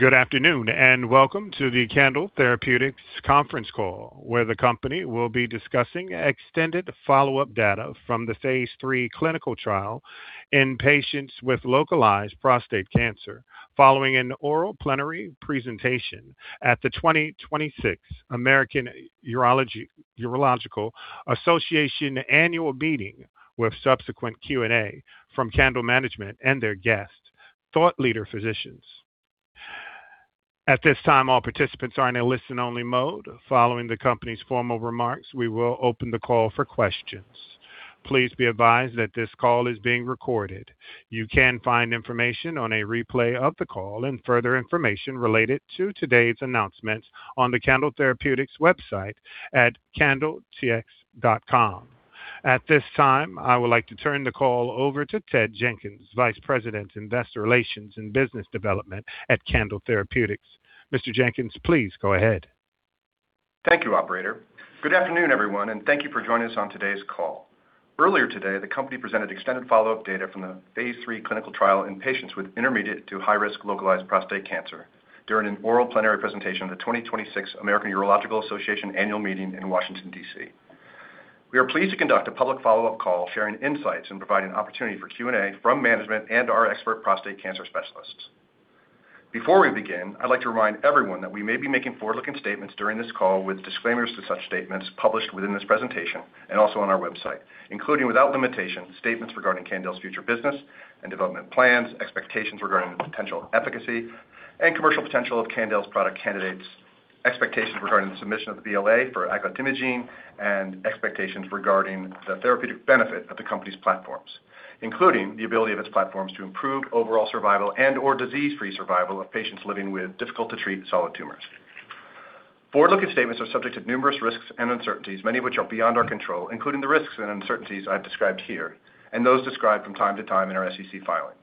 Good afternoon, and welcome to the Candel Therapeutics conference call, where the company will be discussing extended follow-up data from the phase III clinical trial in patients with localized prostate cancer following an oral plenary presentation at the 2026 American Urological Association annual meeting with subsequent Q&A from Candel management and their guest thought leader physicians. At this time, all participants are in a listen-only mode. Following the company's formal remarks, we will open the call for questions. Please be advised that this call is being recorded. You can find information on a replay of the call and further information related to today's announcements on the Candel Therapeutics website at candeltx.com. At this time, I would like to turn the call over to Ted Jenkins, Vice President, Investor Relations and Business Development at Candel Therapeutics. Mr. Jenkins, please go ahead. Thank you, operator. Good afternoon everyone, thank you for joining us on today's call. Earlier today, the company presented extended follow-up data from the phase III clinical trial in patients with intermediate to high-risk localized prostate cancer during an oral plenary presentation at the 2026 American Urological Association annual meeting in Washington D.C. We are pleased to conduct a public follow-up call, sharing insights and providing opportunity for Q&A from management and our expert prostate cancer specialists. Before we begin, I'd like to remind everyone that we may be making forward-looking statements during this call with disclaimers to such statements published within this presentation and also on our website, including without limitation, statements regarding Candel's future business and development plans, expectations regarding the potential efficacy and commercial potential of Candel's product candidates, expectations regarding the submission of the BLA for aglatimagene, and expectations regarding the therapeutic benefit of the company's platforms, including the ability of its platforms to improve overall survival and disease-free survival of patients living with difficult-to-treat solid tumors. Forward-looking statements are subject to numerous risks and uncertainties, many of which are beyond our control, including the risks and uncertainties I've described here and those described from time to time in our SEC filings.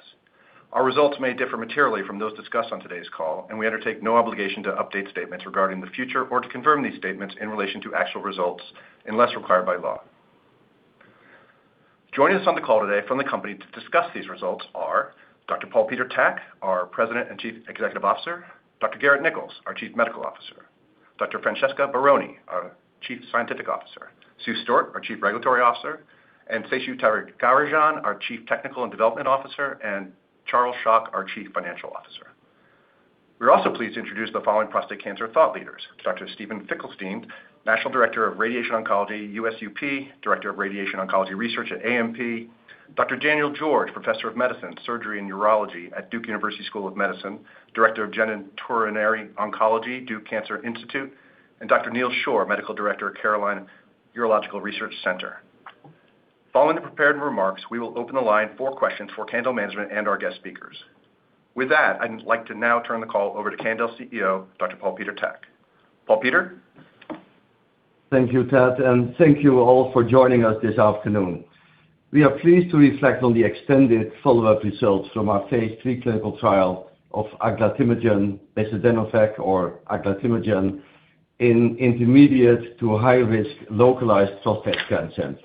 Our results may differ materially from those discussed on today's call, and we undertake no obligation to update statements regarding the future or to confirm these statements in relation to actual results unless required by law. Joining us on the call today from the company to discuss these results are Dr. Paul Peter Tak, our President and Chief Executive Officer, Dr. W. Garrett Nichols, our Chief Medical Officer, Dr. Francesca Barone, our Chief Scientific Officer, Susan Stewart, our Chief Regulatory Officer, and Seshu Tyagarajan, our Chief Technical and Development Officer, and Charles Schoch, our Chief Financial Officer. We're also pleased to introduce the following prostate cancer thought leaders, Steven Finkelstein, National Director of Radiation Oncology, USUP, Director of Radiation Oncology Research at AMP, Daniel George, Professor of Medicine, Surgery, and Urology at Duke University School of Medicine, Director of Genitourinary Oncology, Duke Cancer Institute, and Neal Shore, Medical Director at Carolina Urologic Research Center. Following the prepared remarks, we will open the line for questions for Candel management and our guest speakers. With that, I'd like to now turn the call over to Candel CEO, Paul Peter Tak. Paul Peter Tak. Thank you, Ted, and thank you all for joining us this afternoon. We are pleased to reflect on the extended follow-up results from our phase III clinical trial of aglatimagene besadenovec or aglatimagene in intermediate to high risk localized prostate cancer.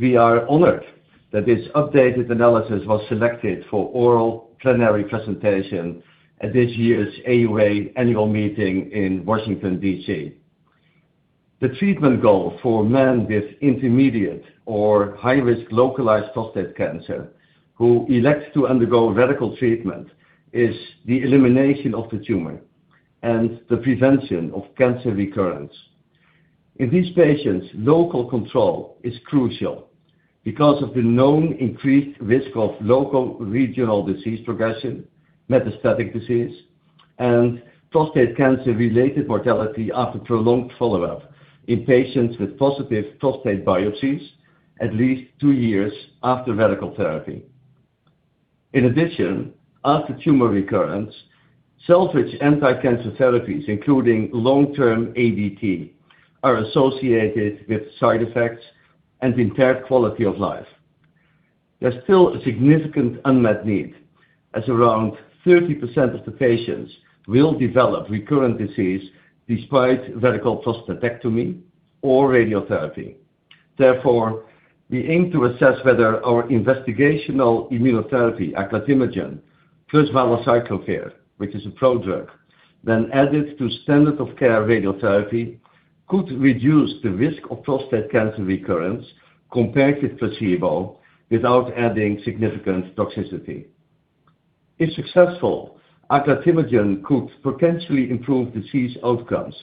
We are honored that this updated analysis was selected for oral plenary presentation at this year's AUA annual meeting in Washington, D.C. The treatment goal for men with intermediate or high-risk localized prostate cancer who elect to undergo radical treatment is the elimination of the tumor and the prevention of cancer recurrence. In these patients, local control is crucial because of the known increased risk of local regional disease progression, metastatic disease, and prostate cancer-related mortality after prolonged follow-up in patients with positive prostate biopsies at least two years after radical therapy. In addition, after tumor recurrence, salvage anti-cancer therapies, including long-term ADT, are associated with side effects and impaired quality of life. There's still a significant unmet need, as around 30% of the patients will develop recurrent disease despite radical prostatectomy or radiotherapy. Therefore, we aim to assess whether our investigational immunotherapy, aglatimagene plus valacyclovir, which is a pro-drug, then added to standard of care radiotherapy, could reduce the risk of prostate cancer recurrence compared to placebo without adding significant toxicity. If successful, aglatimagene could potentially improve disease outcomes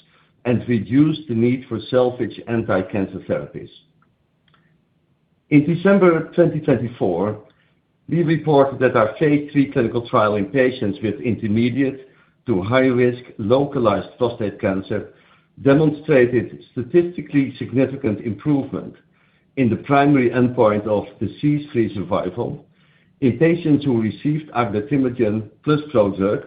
and reduce the need for salvage anti-cancer therapies. In December 2024, we reported that our phase III clinical trial in patients with intermediate to high risk localized prostate cancer demonstrated statistically significant improvement in the primary endpoint of disease-free survival in patients who received aglatimagene plus prodrug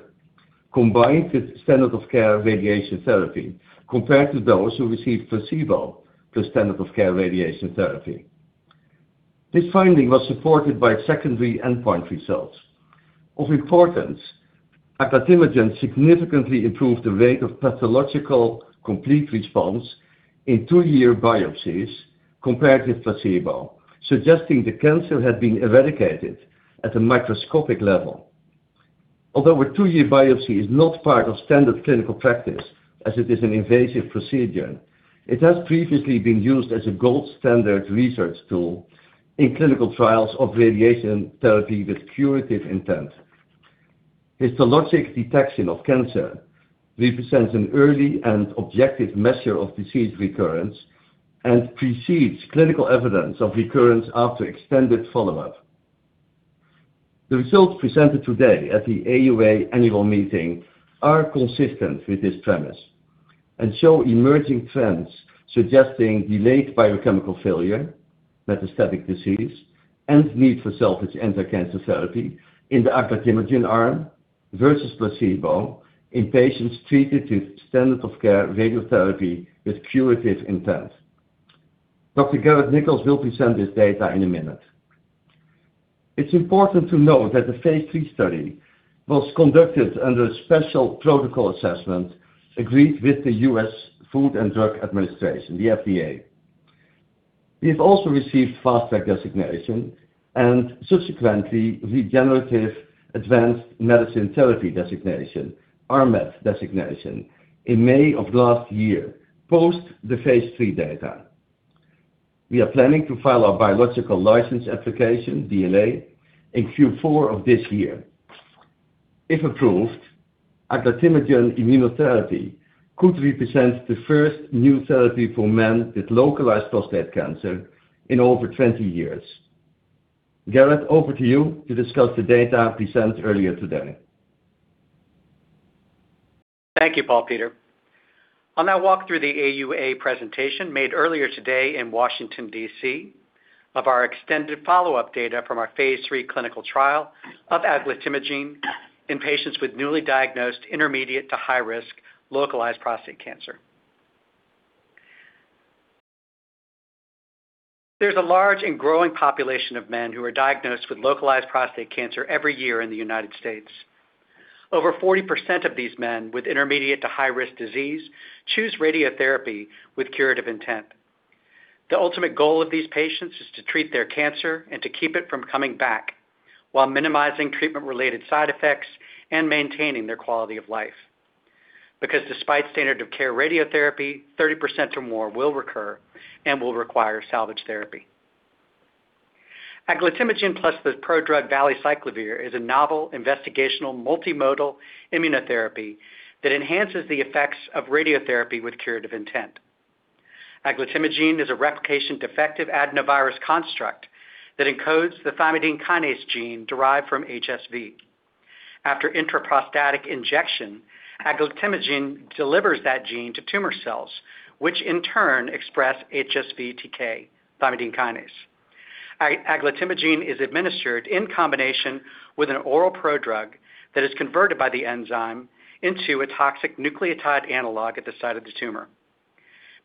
combined with standard of care radiation therapy compared to those who received placebo plus standard of care radiation therapy. This finding was supported by secondary endpoint results. Of importance, aglatimagene significantly improved the rate of pathological complete response in two year biopsies compared with placebo, suggesting the cancer had been eradicated at a microscopic level. Although a two year biopsy is not part of standard clinical practice, as it is an invasive procedure, it has previously been used as a gold standard research tool in clinical trials of radiation therapy with curative intent. Histologic detection of cancer represents an early and objective measure of disease recurrence and precedes clinical evidence of recurrence after extended follow-up. The results presented today at the AUA annual meeting are consistent with this premise and show emerging trends suggesting delayed biochemical failure, metastatic disease, and need for salvage anti-cancer therapy in the aglatimagene arm versus placebo in patients treated with standard of care radiotherapy with curative intent. Dr. Garrett Nichols will present this data in a minute. It's important to note that the phase III study was conducted under special protocol assessment agreed with the U.S. Food and Drug Administration, the FDA. We have also received Fast Track designation and subsequently Regenerative Medicine Advanced Therapy designation, RMAT designation in May of last year post the phase III data. We are planning to file our biological license application, BLA, in Q4 of this year. If approved, aglatimagene immunotherapy could represent the first new therapy for men with localized prostate cancer in over 20 years. Garrett, over to you to discuss the data presented earlier today. Thank you, Paul Peter. I'll now walk through the AUA presentation made earlier today in Washington, D.C., of our extended follow-up data from our phase III clinical trial of aglatimagene in patients with newly diagnosed intermediate to high-risk localized prostate cancer. There's a large and growing population of men who are diagnosed with localized prostate cancer every year in the United States. Over 40% of these men with intermediate to high-risk disease choose radiotherapy with curative intent. The ultimate goal of these patients is to treat their cancer and to keep it from coming back while minimizing treatment-related side effects and maintaining their quality of life. Because despite standard of care radiotherapy, 30% or more will recur and will require salvage therapy. Aglatimagene plus the prodrug valacyclovir is a novel investigational multimodal immunotherapy that enhances the effects of radiotherapy with curative intent. Aglatimagene is a replication-defective adenovirus construct that encodes the thymidine kinase gene derived from HSV. After intraprostatic injection, aglatimagene delivers that gene to tumor cells, which in turn express HSV TK, thymidine kinase. Aglatimagene is administered in combination with an oral prodrug that is converted by the enzyme into a toxic nucleotide analog at the site of the tumor.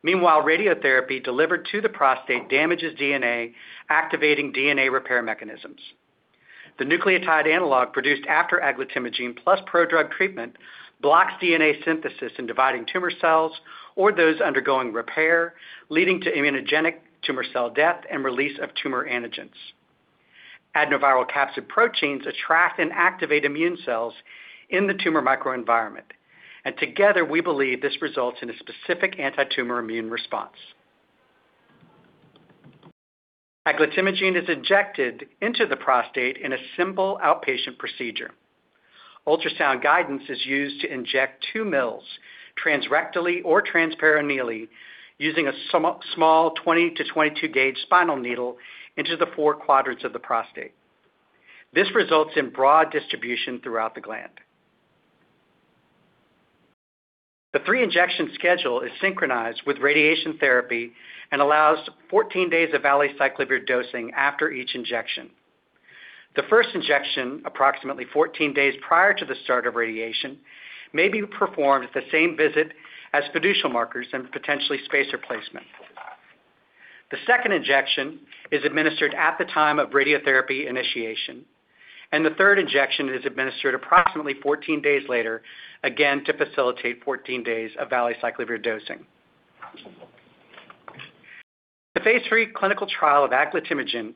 Meanwhile, radiotherapy delivered to the prostate damages DNA, activating DNA repair mechanisms. The nucleotide analog produced after aglatimagene plus prodrug treatment blocks DNA synthesis in dividing tumor cells or those undergoing repair, leading to immunogenic tumor cell death and release of tumor antigens. Adenoviral capsid proteins attract and activate immune cells in the tumor microenvironment. Together, we believe this results in a specific antitumor immune response. Aglatimagene is injected into the prostate in a simple outpatient procedure. Ultrasound guidance is used to inject two mils transrectally or transperineally using some small 20-22 gauge spinal needle into the four quadrants of the prostate. This results in broad distribution throughout the gland. The three injection schedule is synchronized with radiation therapy and allows 14 days of valacyclovir dosing after each injection. The first injection, approximately 14 days prior to the start of radiation, may be performed at the same visit as fiducial markers and potentially spacer placement. The second injection is administered at the time of radiotherapy initiation, and the third injection is administered approximately 14 days later. Again to facilitate 14 days of valacyclovir dosing. The phase III clinical trial of aglatimagene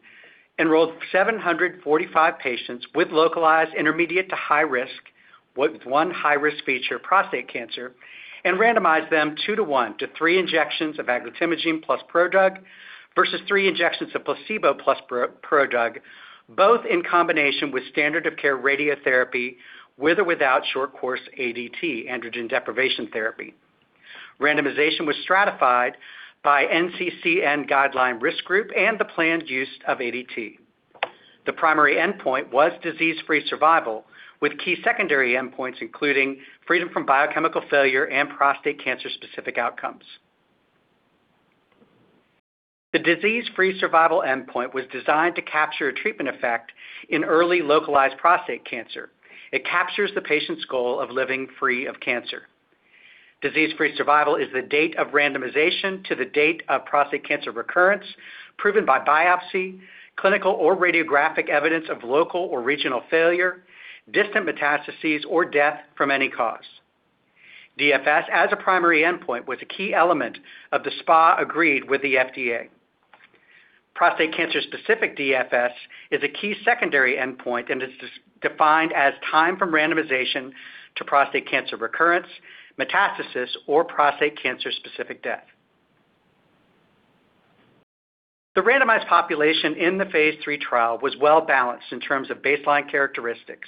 enrolled 745 patients with localized intermediate to high risk, with one high-risk feature prostate cancer, and randomized them 2-1. Three injections of aglatimagene plus prodrug versus three injections of placebo plus prodrug, both in combination with standard of care radiotherapy with or without short course ADT, androgen deprivation therapy. Randomization was stratified by NCCN guideline risk group and the planned use of ADT. The primary endpoint was disease-free survival with key secondary endpoints including freedom from biochemical failure and prostate cancer-specific outcomes. The disease-free survival endpoint was designed to capture a treatment effect in early localized prostate cancer. It captures the patient's goal of living free of cancer. Disease-free survival is the date of randomization to the date of prostate cancer recurrence proven by biopsy, clinical or radiographic evidence of local or regional failure, distant metastases, or death from any cause. DFS as a primary endpoint was a key element of the SPA agreed with the FDA. Prostate cancer specific DFS is a key secondary endpoint, and it's defined as time from randomization to prostate cancer recurrence, metastasis, or prostate cancer-specific death. The randomized population in the phase III trial was well-balanced in terms of baseline characteristics.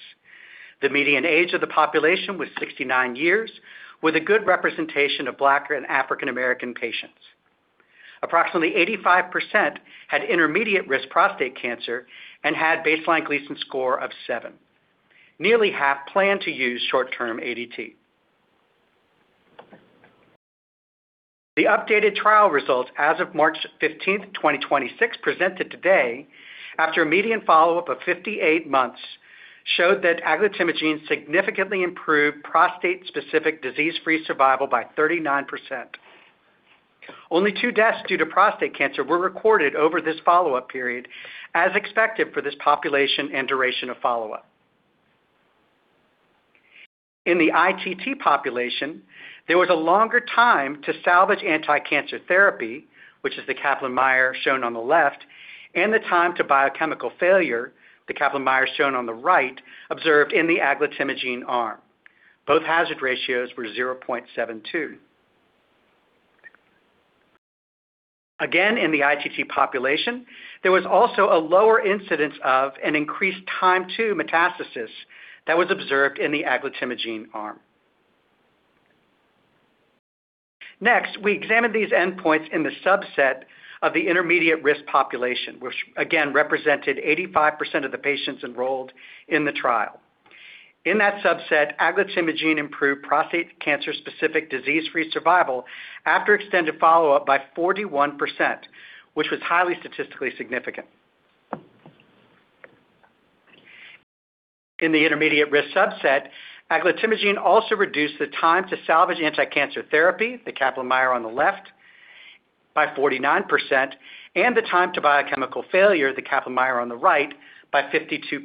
The median age of the population was 69 years, with a good representation of Black or an African American patients. Approximately 85% had intermediate risk prostate cancer and had baseline Gleason score of seven. Nearly half planned to use short-term ADT. The updated trial results as of March 15th, 2026 presented today after a median follow-up of 58 months showed that aglatimagene significantly improved prostate-specific disease-free survival by 39%. Only two deaths due to prostate cancer were recorded over this follow-up period, as expected for this population and duration of follow-up. In the ITT population, there was a longer time to salvage anti-cancer therapy, which is the Kaplan-Meier shown on the left, and the time to biochemical failure, the Kaplan-Meier shown on the right, observed in the aglatimagene arm. Both hazard ratios were 0.72. Again, in the ITT population, there was also a lower incidence of an increased time to metastasis that was observed in the aglatimagene arm. Next, we examined these endpoints in the subset of the intermediate-risk population, which again represented 85% of the patients enrolled in the trial. In that subset, aglatimagene improved prostate cancer-specific disease-free survival after extended follow-up by 41%, which was highly statistically significant. In the intermediate-risk subset, aglatimagene also reduced the time to salvage anti-cancer therapy, the Kaplan-Meier on the left, by 49% and the time to biochemical failure, the Kaplan-Meier on the right, by 52%.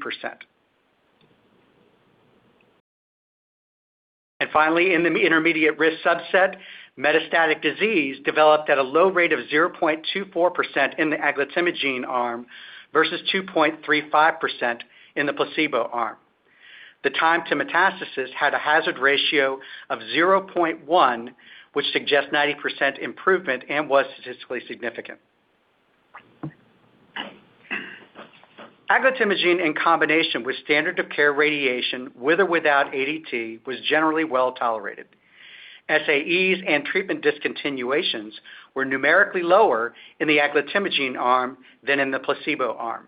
Finally, in the intermediate-risk subset, metastatic disease developed at a low rate of 0.24% in the aglatimagene arm versus 2.35% in the placebo arm. The time to metastasis had a hazard ratio of 0.1, which suggests 90% improvement and was statistically significant. Aglatimagene in combination with standard of care radiation, with or without ADT, was generally well-tolerated. SAEs and treatment discontinuations were numerically lower in the aglatimagene arm than in the placebo arm.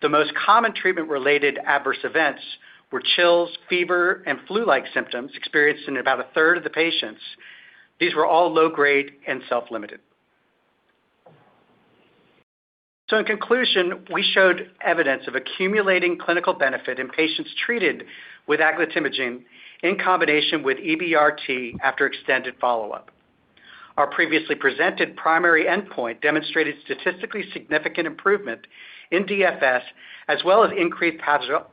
The most common treatment-related adverse events were chills, fever, and flu-like symptoms experienced in about a third of the patients. These were all low-grade and self-limited. In conclusion, we showed evidence of accumulating clinical benefit in patients treated with aglatimagene in combination with EBRT after extended follow-up. Our previously presented primary endpoint demonstrated statistically significant improvement in DFS as well as increased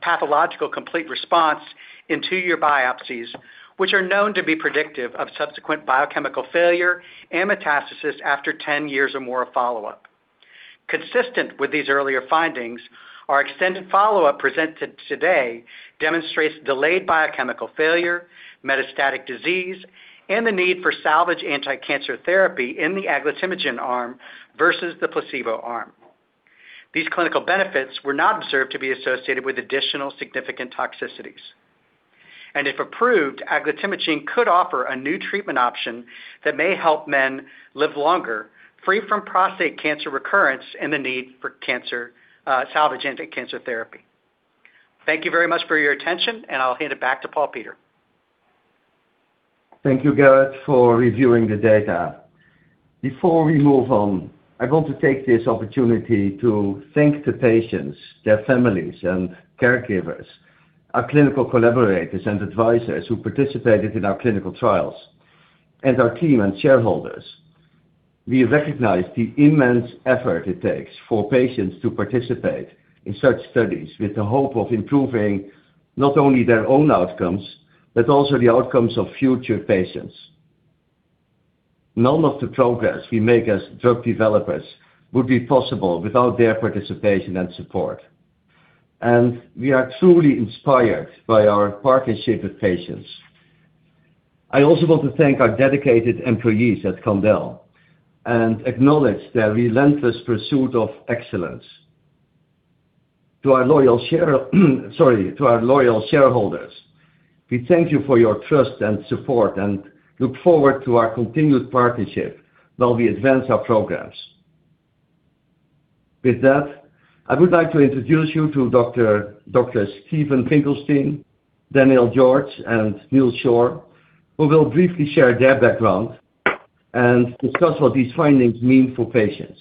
pathological complete response in two year biopsies, which are known to be predictive of subsequent biochemical failure and metastasis after 10 years or more of follow up. Consistent with these earlier findings, our extended follow-up presented today demonstrates delayed biochemical failure, metastatic disease, and the need for salvage anti-cancer therapy in the aglatimagene arm versus the placebo arm. These clinical benefits were not observed to be associated with additional significant toxicities. If approved, aglatimagene could offer a new treatment option that may help men live longer, free from prostate cancer recurrence and the need for cancer, salvage anti-cancer therapy. Thank you very much for your attention, and I'll hand it back to Paul Peter. Thank you, Garrett, for reviewing the data. Before we move on, I want to take this opportunity to thank the patients, their families and caregivers, our clinical collaborators and advisors who participated in our clinical trials, our team and shareholders. We recognize the immense effort it takes for patients to participate in such studies with the hope of improving not only their own outcomes, but also the outcomes of future patients. None of the progress we make as drug developers would be possible without their participation and support. We are truly inspired by our partnership with patients. I also want to thank our dedicated employees at Candel and acknowledge their relentless pursuit of excellence. Sorry, to our loyal shareholders, we thank you for your trust and support and look forward to our continued partnership while we advance our progress. With that, I would like to introduce you to Doctors Steven Finkelstein, Daniel George, and Neal Shore, who will briefly share their background and discuss what these findings mean for patients.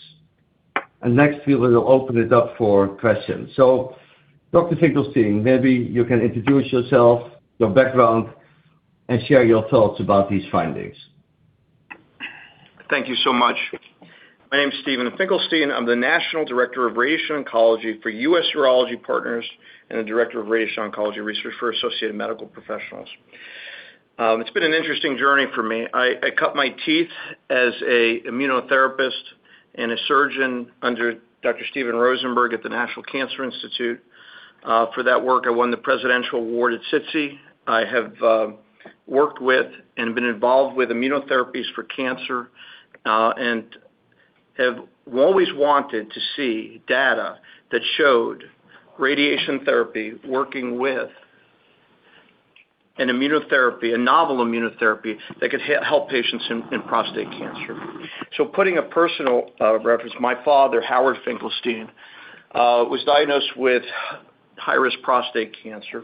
Next, we will open it up for questions. Dr. Finkelstein, maybe you can introduce yourself, your background, and share your thoughts about these findings. Thank you so much. My name is Steven Finkelstein. I am the National Director of Radiation Oncology for U.S. Urology Partners and the Director of Radiation Oncology Research for Associated Medical Professionals. It has been an interesting journey for me. I cut my teeth as an immunotherapist and a surgeon under Dr. Steven Rosenberg at the National Cancer Institute. For that work, I won the Presidential Award at SITC. I have worked with and been involved with immunotherapies for cancer and have always wanted to see data that showed radiation therapy working with an immunotherapy, a novel immunotherapy that could help patients in prostate cancer. Putting a personal reference, my father, Howard Finkelstein, was diagnosed with high-risk prostate cancer.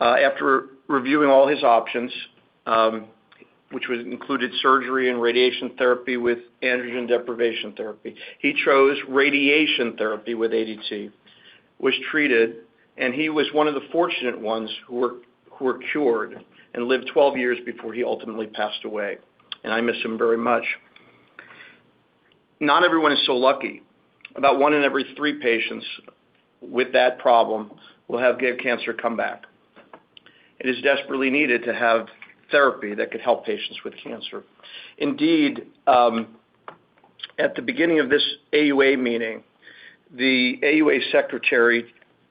After reviewing all his options, which was included surgery and radiation therapy with androgen deprivation therapy, he chose radiation therapy with ADT, was treated, and he was one of the fortunate ones who were cured and lived 12 years before he ultimately passed away, and I miss him very much. Not everyone is so lucky. About on in every three patients with that problem will have cancer come back. It is desperately needed to have therapy that could help patients with cancer. Indeed, at the beginning of this AUA meeting, the AUA secretary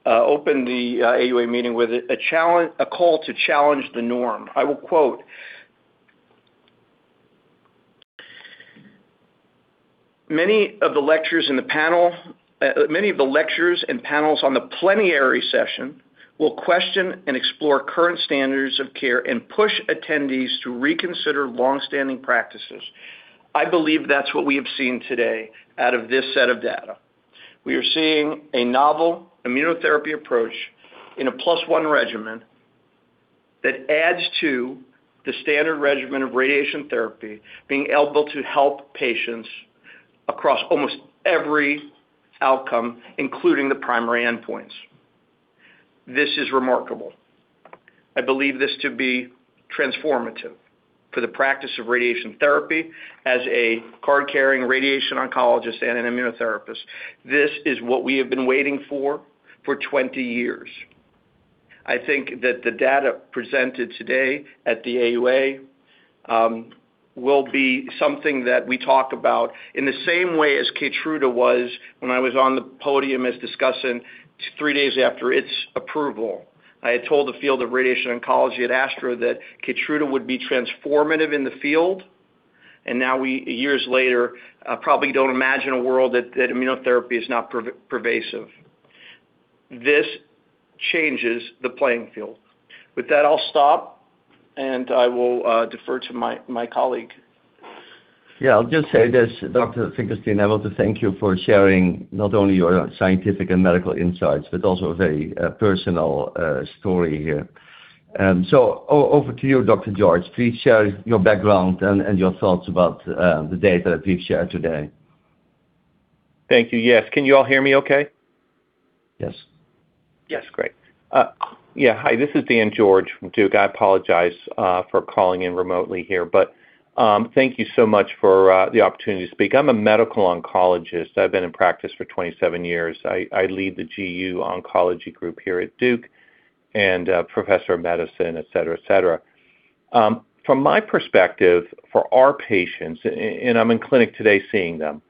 opened the AUA meeting with a challenge, a call to challenge the norm. I will quote, "Many of the lectures in the panel, many of the lectures and panels on the plenary session will question and explore current standards of care and push attendees to reconsider long-standing practices." I believe that's what we have seen today out of this set of data. We are seeing a novel immunotherapy approach in a plus one regimen that adds to the standard regimen of radiation therapy being able to help patients across almost every outcome, including the primary endpoints. This is remarkable. I believe this to be transformative for the practice of radiation therapy as a card-carrying radiation oncologist and an immunotherapist. This is what we have been waiting for for 20 years. I think that the data presented today at the AUA will be something that we talk about in the same way as KEYTRUDA was when I was on the podium as discussant three days after its approval. I had told the field of radiation oncology at ASTRO that KEYTRUDA would be transformative in the field, now we, years later, probably don't imagine a world that immunotherapy is not pervasive. This changes the playing field. With that, I'll stop, I will defer to my colleague. Yeah. I'll just say this, Dr. Finkelstein. I want to thank you for sharing not only your scientific and medical insights but also a very personal story here. Over to you, Dr. George. Please share your background and your thoughts about the data that we've shared today. Thank you. Yes. Can you all hear me okay? Yes. Yes. Great. Hi, this is Daniel George from Duke University. I apologize for calling in remotely here. Thank you so much for the opportunity to speak. I'm a medical oncologist. I've been in practice for 27 years. I lead the GU Oncology Group here at Duke University and professor of medicine, et cetera. From my perspective for our patients, and I'm in clinic today seeing them,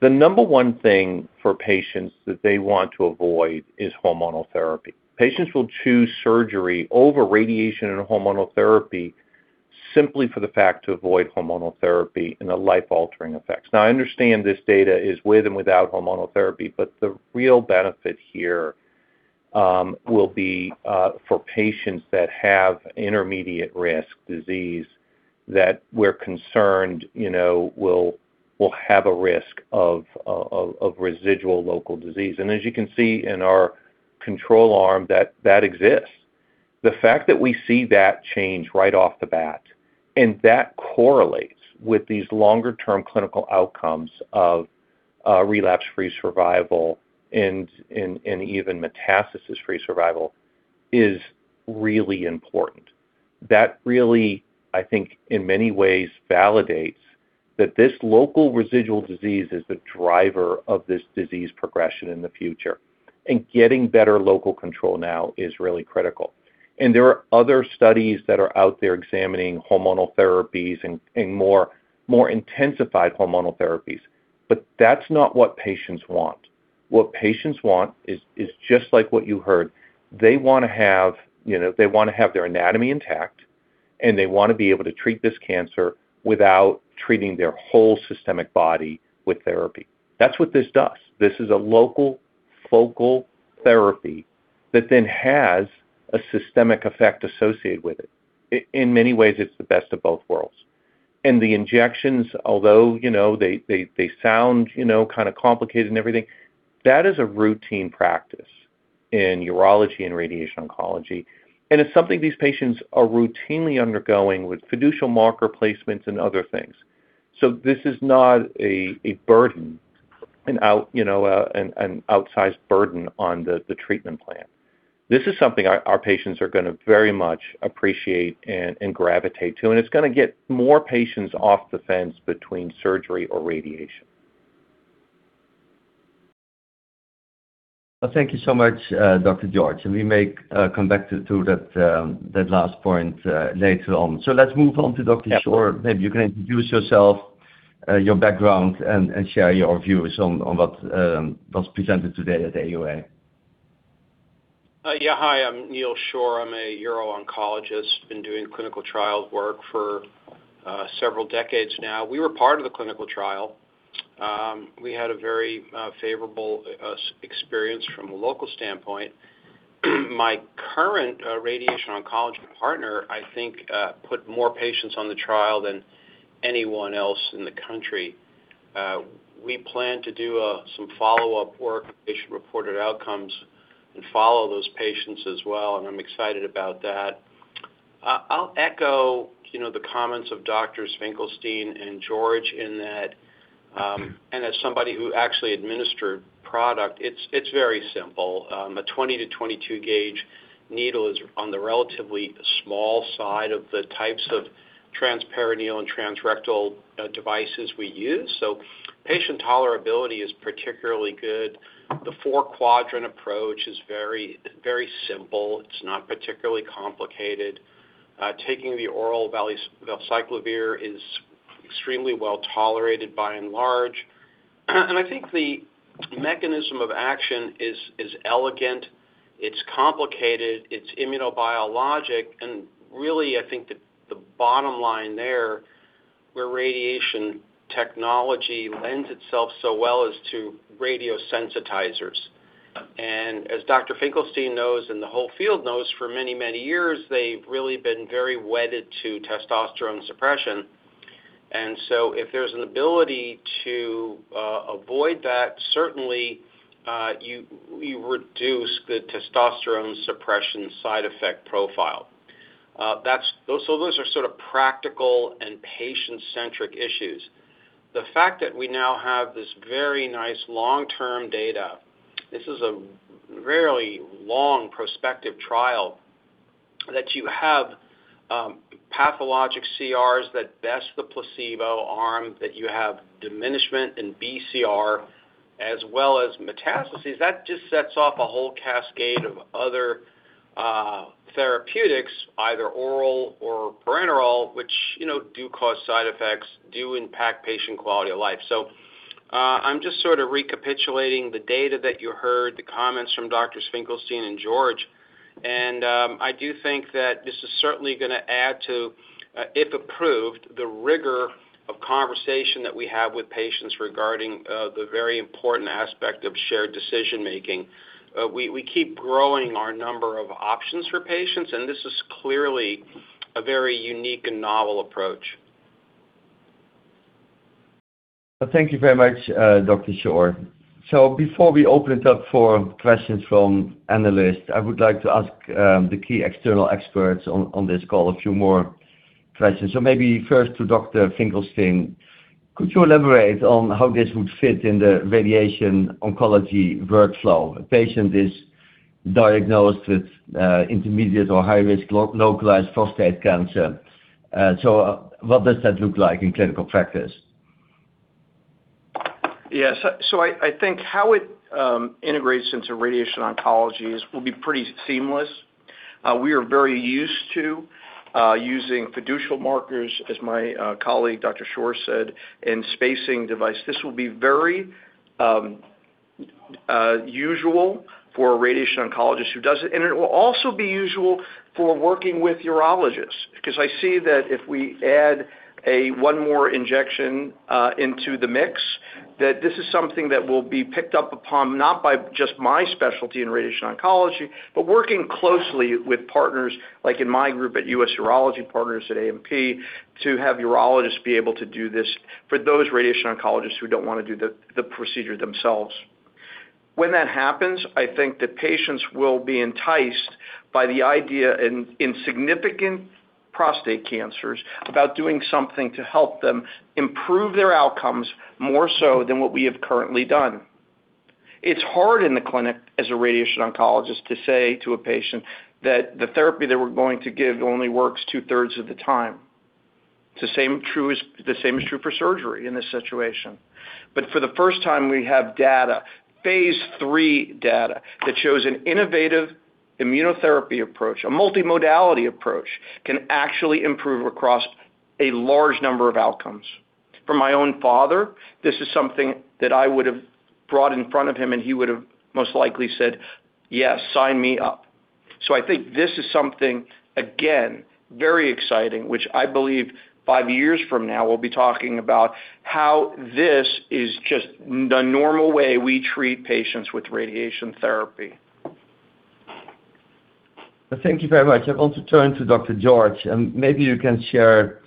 the number one thing for patients that they want to avoid is hormonal therapy. Patients will choose surgery over radiation and hormonal therapy simply for the fact to avoid hormonal therapy and the life-altering effects. I understand this data is with and without hormonal therapy, but the real benefit here will be for patients that have intermediate-risk disease that we're concerned, you know, will have a risk of residual local disease. As you can see in our control arm, that exists. The fact that we see that change right off the bat and that correlates with these longer-term clinical outcomes of relapse-free survival and even metastasis-free survival is really important. That really, I think, in many ways validates that this local residual disease is the driver of this disease progression in the future getting better local control now is really critical. There are other studies that are out there examining hormonal therapies and more intensified hormonal therapies, but that's not what patients want. What patients want is just like what you heard. They want to have, you know, they want to have their anatomy intact. They want to be able to treat this cancer without treating their whole systemic body with therapy. That's what this does. This is a local focal therapy that then has a systemic effect associated with it. In many ways, it's the best of both worlds. The injections, although, you know, they sound, you know, kind of complicated and everything, that is a routine practice in urology and radiation oncology. It's something these patients are routinely undergoing with fiducial marker placements and other things. This is not a burden, an outsized burden on the treatment plan. This is something our patients are gonna very much appreciate and gravitate to, and it's gonna get more patients off the fence between surgery or radiation. Well, thank you so much, Dr. George. We may come back to that last point, later on. Let's move on to Dr. Shore. Yeah. Maybe you can introduce yourself, your background and share your views on what's presented today at the AUA. Yeah. Hi, I'm Neal Shore. I'm a uro-oncologist. Been doing clinical trial work for several decades now. We were part of the clinical trial. We had a very favorable experience from a local standpoint. My current radiation oncology partner. I think, put more patients on the trial than anyone else in the country. We plan to do some follow-up work, patient-reported outcomes, and follow those patients as well, and I'm excited about that. I'll echo, you know, the comments of Doctors Finkelstein and George in that, and as somebody who actually administered product. It's very simple. A 20-22 gauge needle is on the relatively small side of the types of transperineal and transrectal devices we use. So patient tolerability is particularly good. The four-quadrant approach is very, very simple. It's not particularly complicated. Taking the oral valacyclovir is extremely well-tolerated by and large. I think the mechanism of action is elegant. It's complicated. It's immunobiologic, and really I think the bottom line there, where radiation technology lends itself so well is to radiosensitizers. As Dr. Steven Finkelstein knows and the whole field knows, for many years, they've really been very wedded to testosterone suppression. If there's an ability to avoid that, certainly you reduce the testosterone suppression side effect profile. That's. Those are sort of practical and patient-centric issues. The fact that we now have this very nice long-term data, this is a really long prospective trial, that you have, pathologic CRs that beats the placebo arm, that you have diminishment in BCR as well as metastases, that just sets off a whole cascade of other, therapeutics, either oral or parenteral, which, you know, do cause side effects, do impact patient quality of life. I'm just sort of recapitulating the data that you heard, the comments from Doctors Finkelstein and George, and, I do think that this is certainly gonna add to, if approved, the rigor of conversation that we have with patients regarding, the very important aspect of shared decision-making. We keep growing our number of options for patients, and this is clearly a very unique and novel approach. Thank you very much, Dr. Shore. Before we open it up for questions from analysts, I would like to ask the key external experts on this call a few more questions. Maybe first to Dr. Finkelstein. Could you elaborate on how this would fit in the radiation oncology workflow? A patient is diagnosed with intermediate or high-risk localized prostate cancer. What does that look like in clinical practice? I think how it integrates into radiation oncology is will be pretty seamless. We are very used to using fiducial markers, as my colleague Dr. Shore said, and spacing device. This will be very usual for a radiation oncologist who does it, and it will also be usual for working with urologists. Because I see that if we add a one more injection into the mix that this is something that will be picked up upon not by just my specialty in radiation oncology, but working closely with partners like in my group at U.S. Urology Partners at AMP to have urologists be able to do this for those radiation oncologists who don't want to do the procedure themselves. When that happens, I think that patients will be enticed by the idea in significant prostate cancers about doing something to help them improve their outcomes more so than what we have currently done. It's hard in the clinic as a radiation oncologist to say to a patient that the therapy that we're going to give only works two-thirds of the time. The same is true for surgery in this situation. For the first time we have data phase III data, that shows an innovative immunotherapy approach, a multimodality approach can actually improve across a large number of outcomes. For my own father, this is something that I would have brought in front of him, and he would have most likely said, "Yes, sign me up." I think this is something, again, very exciting, which I believe five years from now we'll be talking about how this is just the normal way we treat patients with radiation therapy. Thank you very much. I want to turn to Dr. Daniel George, and maybe you can share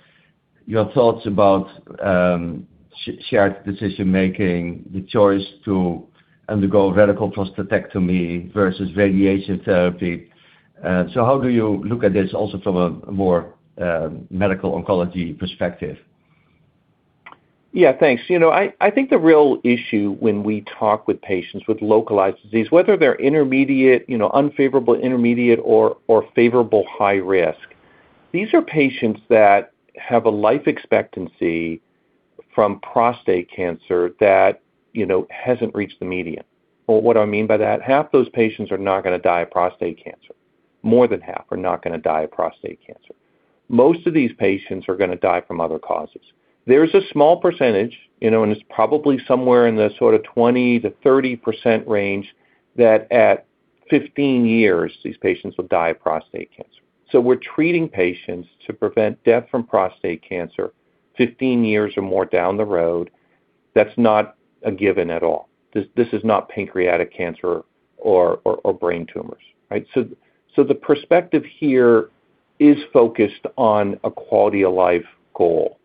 your thoughts about shared decision-making, the choice to undergo radical prostatectomy versus radiation therapy. How do you look at this also from a more medical oncology perspective? Yeah, thanks. You know, I think the real issue when we talk with patients with localized disease, whether they're intermediate, you know, unfavorable intermediate or favorable high risk, these are patients that have a life expectancy from prostate cancer that, you know, hasn't reached the median. Well, what do I mean by that? Half those patients are not gonna die of prostate cancer. More than half are not gonna die of prostate cancer. Most of these patients are gonna die from other causes. There's a small percentage, you know, and it's probably somewhere in the sort of 20-30% range, that at 15 years, these patients will die of prostate cancer. We're treating patients to prevent death from prostate cancer 15 years or more down the road. That's not a given at all. This is not pancreatic cancer or brain tumors, right? The perspective here is focused on a quality-of-life goal.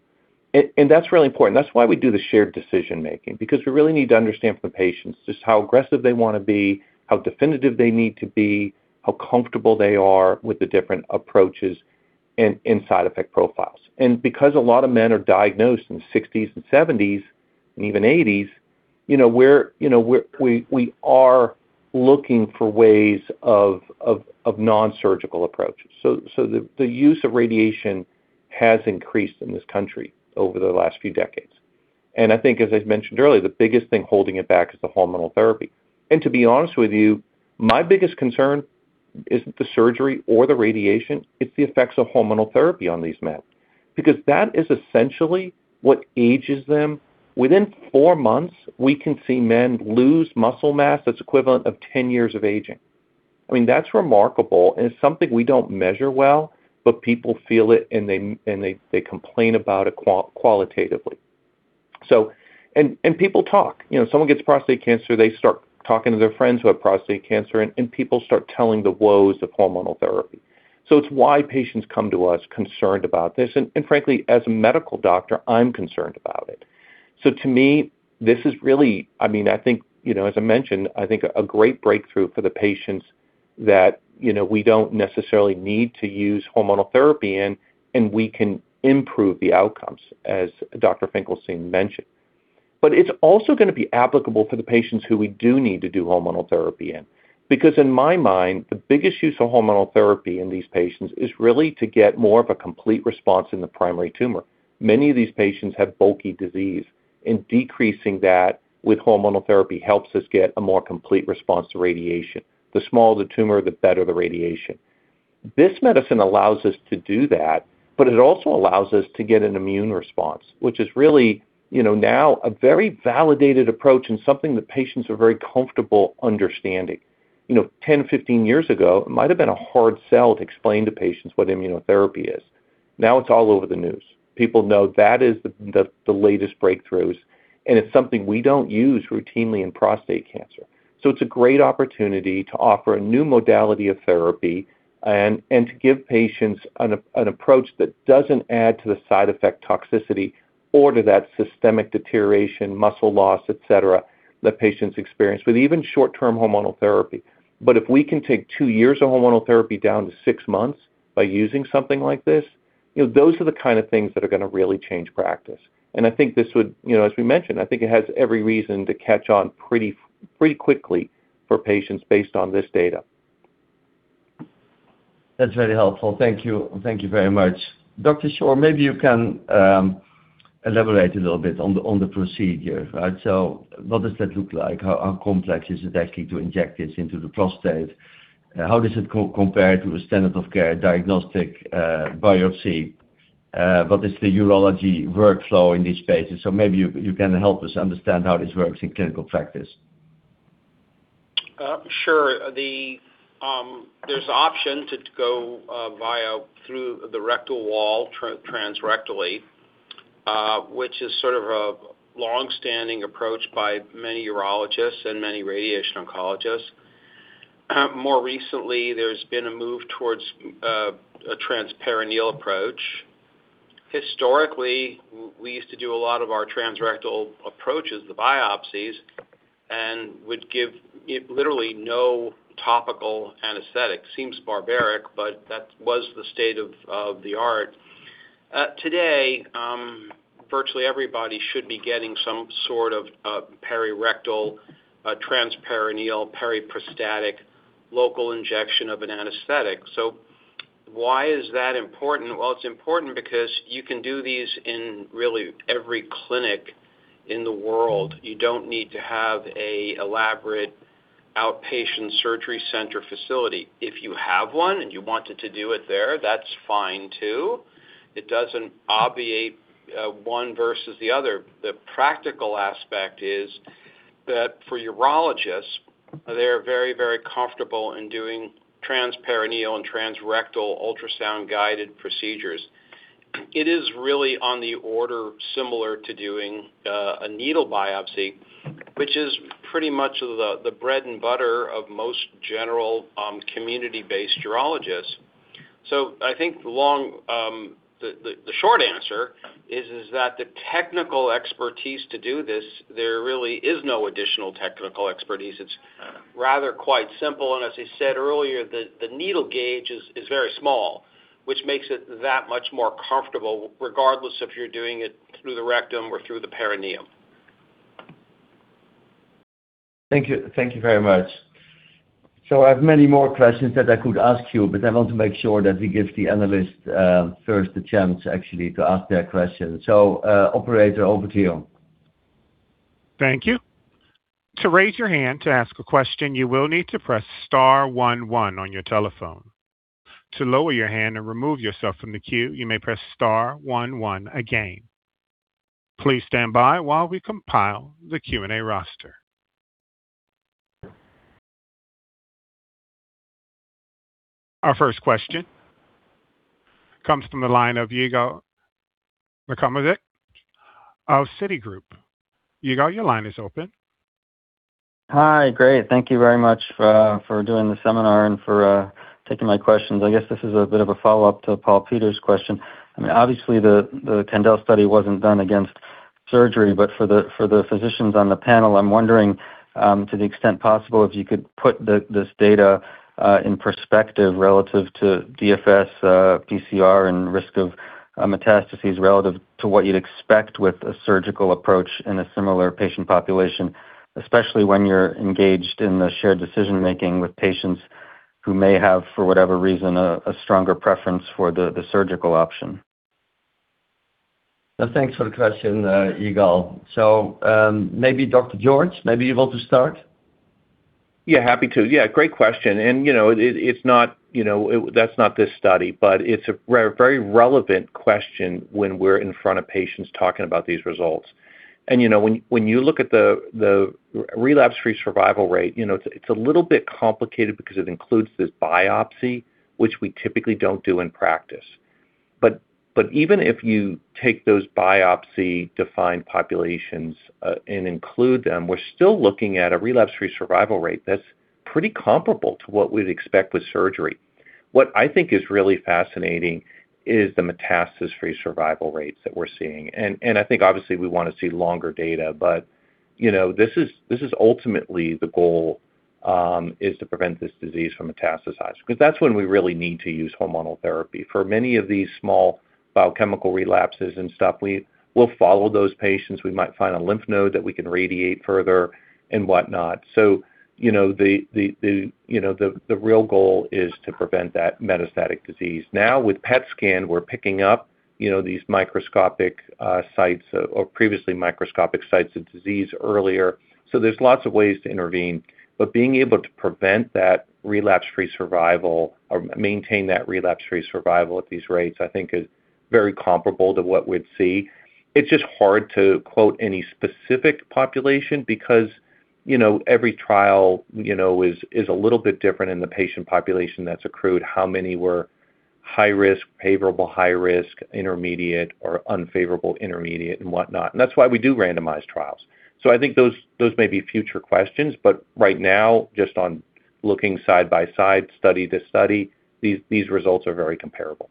That's really important. That's why we do the shared decision-making because we really need to understand from the patients just how aggressive they wanna be, how definitive they need to be, how comfortable they are with the different approaches and side effect profiles. Because a lot of men are diagnosed in sixties and seventies and even eighties, you know, we are looking for ways of non-surgical approaches. The use of radiation has increased in this country over the last few decades. I think as I've mentioned earlier, the biggest thing holding it back is the hormonal therapy. to be honest with you, my biggest concern isn't the surgery or the radiation, it's the effects of hormonal therapy on these men because that is essentially what ages them. Within four months, we can see men lose muscle mass that's equivalent of ten years of aging. I mean, that's remarkable, and it's something we don't measure well, but people feel it, and they complain about it qualitatively. People talk. You know, someone gets prostate cancer, they start talking to their friends who have prostate cancer and people start telling the woes of hormonal therapy. It's why patients come to us concerned about this. Frankly, as a medical doctor, I'm concerned about it. To me, this is really I mean, I think, you know, as I mentioned, I think a great breakthrough for the patients that, you know, we don't necessarily need to use hormonal therapy and we can improve the outcomes, as Dr. Finkelstein mentioned. It's also gonna be applicable for the patients who we do need to do hormonal therapy in because in my mind, the biggest use of hormonal therapy in these patients is really to get more of a complete response in the primary tumor. Many of these patients have bulky disease, and decreasing that with hormonal therapy helps us get a more complete response to radiation. The smaller the tumor, the better the radiation. This medicine allows us to do that, but it also allows us to get an immune response, which is really, you know, now a very validated approach and something that patients are very comfortable understanding. You know, 10, 15 years ago, it might've been a hard sell to explain to patients what immunotherapy is. Now it's all over the news. People know that is the latest breakthroughs, and it's something we don't use routinely in prostate cancer. It's a great opportunity to offer a new modality of therapy and to give patients an approach that doesn't add to the side effect toxicity or to that systemic deterioration, muscle loss, et cetera, that patients experience with even short-term hormonal therapy. if we can take two years of hormonal therapy down to six months by using something like this, you know, those are the kind of things that are gonna really change practice. I think this would, you know, as we mentioned, I think it has every reason to catch on pretty quickly for patients based on this data. That's very helpful. Thank you. Thank you very much. Dr. Shore, maybe you can elaborate a little bit on the procedure. Right. What does that look like? How complex is it actually to inject this into the prostate? How does it compare to the standard of care diagnostic biopsy? What is the urology workflow in these spaces? Maybe you can help us understand how this works in clinical practice. Sure. There's option to go via through the rectal wall, transrectally, which is sort of a longstanding approach by many urologists and many radiation oncologists. More recently, there's been a move towards a transperineal approach. Historically, we used to do a lot of our transrectal approaches, the biopsies, and would give literally no topical anesthetic. Seems barbaric, but that was the state of the art. Today, virtually everybody should be getting some sort of perirectal, transperineal, peri-prostatic local injection of an anesthetic. Why is that important? Well, it's important because you can do these in really every clinic in the world. You don't need to have a elaborate outpatient surgery center facility. If you have one and you wanted to do it there, that's fine too. It doesn't obviate one versus the other. The practical aspect is that for urologists, they're very, very comfortable in doing transperineal and transrectal ultrasound-guided procedures. It is really on the order similar to doing a needle biopsy, which is pretty much the bread and butter of most general community-based urologists. I think long the short answer is that the technical expertise to do this. There really is no additional technical expertise. It's rather quite simple. As I said earlier, the needle gauge is very small, which makes it that much more comfortable regardless if you're doing it through the rectum or through the perineum. Thank you. Thank you very much. I have many more questions that I could ask you, but I want to make sure that we give the analyst first the chance actually to ask their questions. Operator, over to you. Our first question comes from the line of Yigal Nochomovitz of Citigroup. Yigal Nochomovitz, your line is open. Hi. Great. Thank you very much for doing the seminar and for taking my questions. I guess this is a bit of a follow-up to Paul Peter's question. I mean, obviously the Candel study wasn't done against surgery, but for the physicians on the panel, I'm wondering to the extent possible, if you could put this data in perspective relative to DFS, DCR, and risk of metastases relative to what you'd expect with a surgical approach in a similar patient population, especially when you're engaged in the shared decision-making with patients who may have, for whatever reason, a stronger preference for the surgical option. Now, thanks for the question, Yigal. Maybe Dr. George, maybe you want to start. Yeah, happy to. Yeah, great question. You know, it's not, you know, that's not this study, but it's a very relevant question when we're in front of patients talking about these results. You know, when you look at the relapse-free survival rate, you know, it's a little bit complicated because it includes this biopsy, which we typically don't do in practice. Even if you take those biopsy-defined populations and include them, we're still looking at a relapse-free survival rate that's pretty comparable to what we'd expect with surgery. What I think is really fascinating is the metastasis-free survival rates that we're seeing. I think obviously we wanna see longer data but, you know, this is ultimately the goal is to prevent this disease from metastasizing because that's when we really need to use hormonal therapy. For many of these small biochemical relapses and stuff, we'll follow those patients. We might find a lymph node that we can radiate further and whatnot. You know, the real goal is to prevent that metastatic disease. Now, with PET scan, we're picking up, you know, these microscopic sites or previously microscopic sites of disease earlier. There's lots of ways to intervene. Being able to prevent that relapse-free survival or maintain that relapse-free survival at these rates, I think is very comparable to what we'd see. It's just hard to quote any specific population because, you know, every trial, you know, is a little bit different in the patient population that's accrued, how many were high risk, favorable high risk, intermediate or unfavorable intermediate and whatnot. That's why we do randomized trials. I think those may be future questions, but right now, just on looking side by side, study to study, these results are very comparable.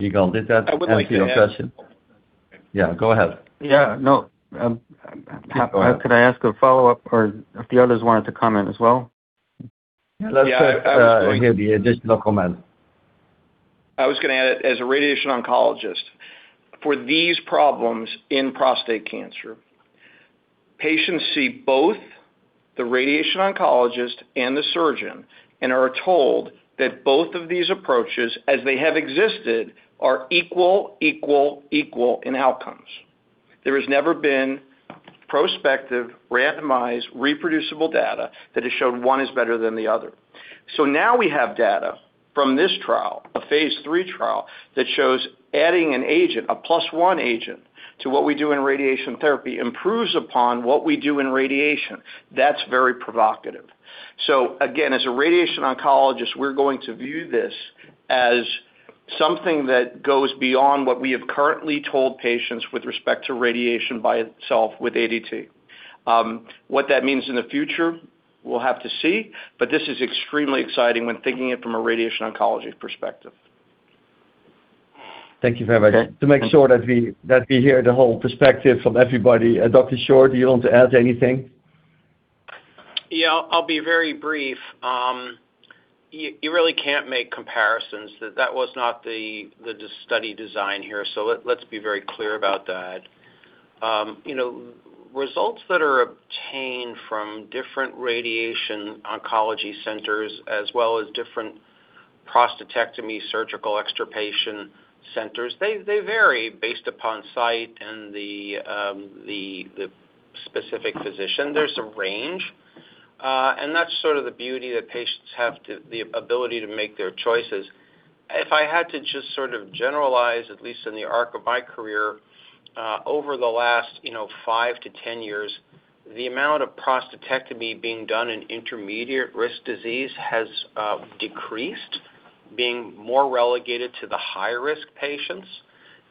Yigal, did that answer your question? Yeah, go ahead. Yeah, no. Could I ask a follow-up or if the others wanted to comment as well? Yeah. Let's hear the additional comment. I was gonna add, as a radiation oncologist, for these problems in prostate cancer, patients see both the radiation oncologist and the surgeon and are told that both of these approaches, as they have existed, are equal in outcomes. There has never been prospective, randomized, reproducible data that has shown one is better than the other. Now we have data from this trial, a phase III trial, that shows adding an agent, a plus one agent, to what we do in radiation therapy improves upon what we do in radiation. That's very provocative. Again, as a radiation oncologist, we're going to view this as something that goes beyond what we have currently told patients with respect to radiation by itself with ADT. What that means in the future, we'll have to see, but this is extremely exciting when thinking it from a radiation oncology perspective. Thank you very much. To make sure that we hear the whole perspective from everybody. Dr. Neal Shore, do you want to add anything? Yeah, I'll be very brief. You really can't make comparisons. That was not the study design here. Let's be very clear about that. You know, results that are obtained from different radiation oncology centers as well as different prostatectomy surgical extirpation centers, they vary based upon site and the specific physician. There's a range, and that's sort of the beauty that patients have the ability to make their choices. If I had to just sort of generalize, at least in the arc of my career over the last, you know, 5-10 years, the amount of prostatectomy being done in intermediate risk disease has decreased, being more relegated to the high-risk patients.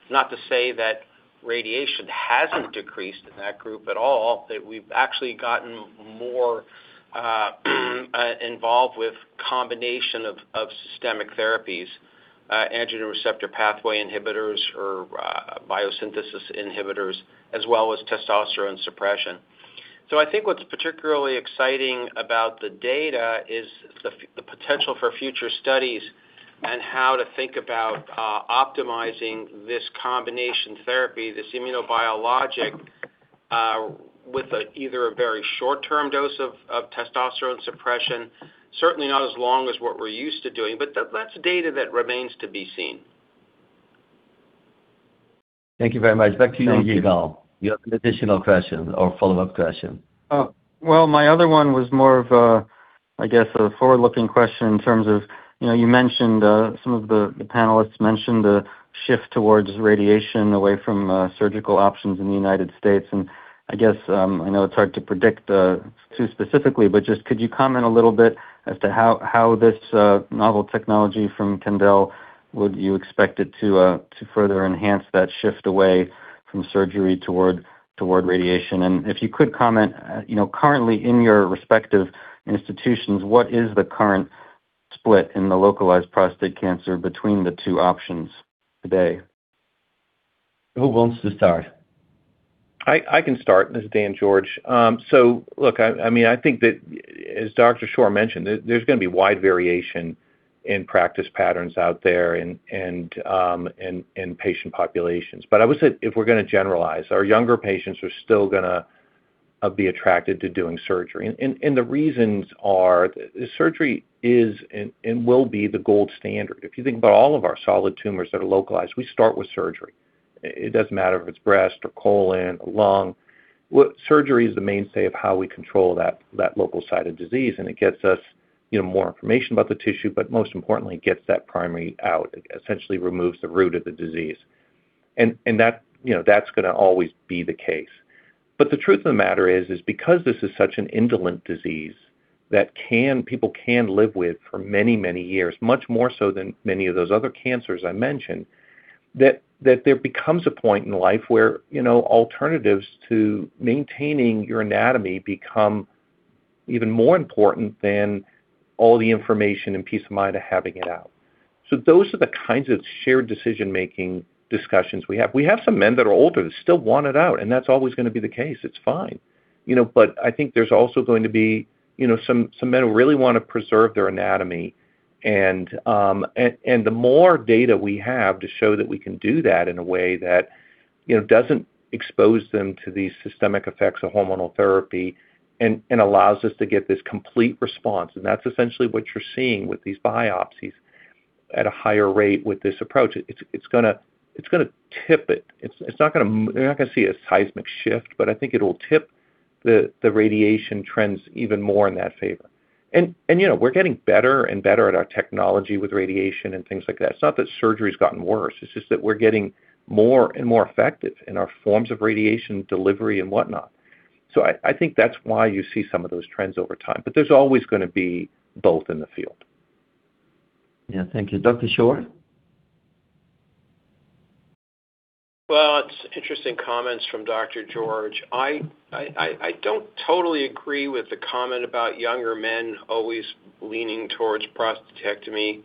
Not to say that radiation hasn't decreased in that group at all, that we've actually gotten more involved with combination of systemic therapies, androgen receptor pathway inhibitors or biosynthesis inhibitors as well as testosterone suppression. I think what's particularly exciting about the data is the potential for future studies and how to think about optimizing this combination therapy, this immunobiologic with either a very short-term dose of testosterone suppression, certainly not as long as what we're used to doing. That's data that remains to be seen. Thank you very much. Back to you, Yigal. You have an additional question or follow-up question? Oh, well, my other one was more of a, I guess, a forward-looking question in terms of, you know, you mentioned some of the panelists mentioned the shift towards radiation away from surgical options in the United States. I guess I know it's hard to predict too specifically, but just could you comment a little bit as to how this novel technology from Candel would you expect it to further enhance that shift away from surgery toward radiation? If you could comment, you know, currently in your respective institutions, what is the current split in the localized prostate cancer between the two options today? Who wants to start? I can start. This is Dr. Daniel George. I mean, I think that as Dr. Neal Shore mentioned, there's gonna be wide variation in practice patterns out there and patient populations. I would say if we're gonna generalize, our younger patients are still gonna be attracted to doing surgery. The reasons are surgery is and will be the gold standard. If you think about all of our solid tumors that are localized, we start with surgery. It doesn't matter if it's breast or colon or lung. Surgery is the mainstay of how we control that local site of disease, and it gets us, you know, more information about the tissue, but most importantly, it gets that primary out. It essentially removes the root of the disease. That, you know, that's gonna always be the case. The truth of the matter is because this is such an indolent disease that people can live with for many, many years, much more so than many of those other cancers I mentioned, that there becomes a point in life where, you know, alternatives to maintaining your anatomy become even more important than all the information and peace of mind of having it out. Those are the kinds of shared decision-making discussions we have. We have some men that are older that still want it out, and that's always gonna be the case. It's fine. You know, I think there's also going to be, you know, some men who really wanna preserve their anatomy. The more data we have to show that we can do that in a way that, you know, doesn't expose them to these systemic effects of hormonal therapy and allows us to get this complete response, and that's essentially what you're seeing with these biopsies at a higher rate with this approach. It's gonna tip it. You're not gonna see a seismic shift, but I think it'll tip the radiation trends even more in that favor. You know, we're getting better and better at our technology with radiation and things like that. It's not that surgery's gotten worse. It's just that we're getting more and more effective in our forms of radiation delivery and whatnot. I think that's why you see some of those trends over time. there's always gonna be both in the field. Yeah. Thank you. Dr. Shore? Well, it's interesting comments from Dr. George. I don't totally agree with the comment about younger men always leaning towards prostatectomy.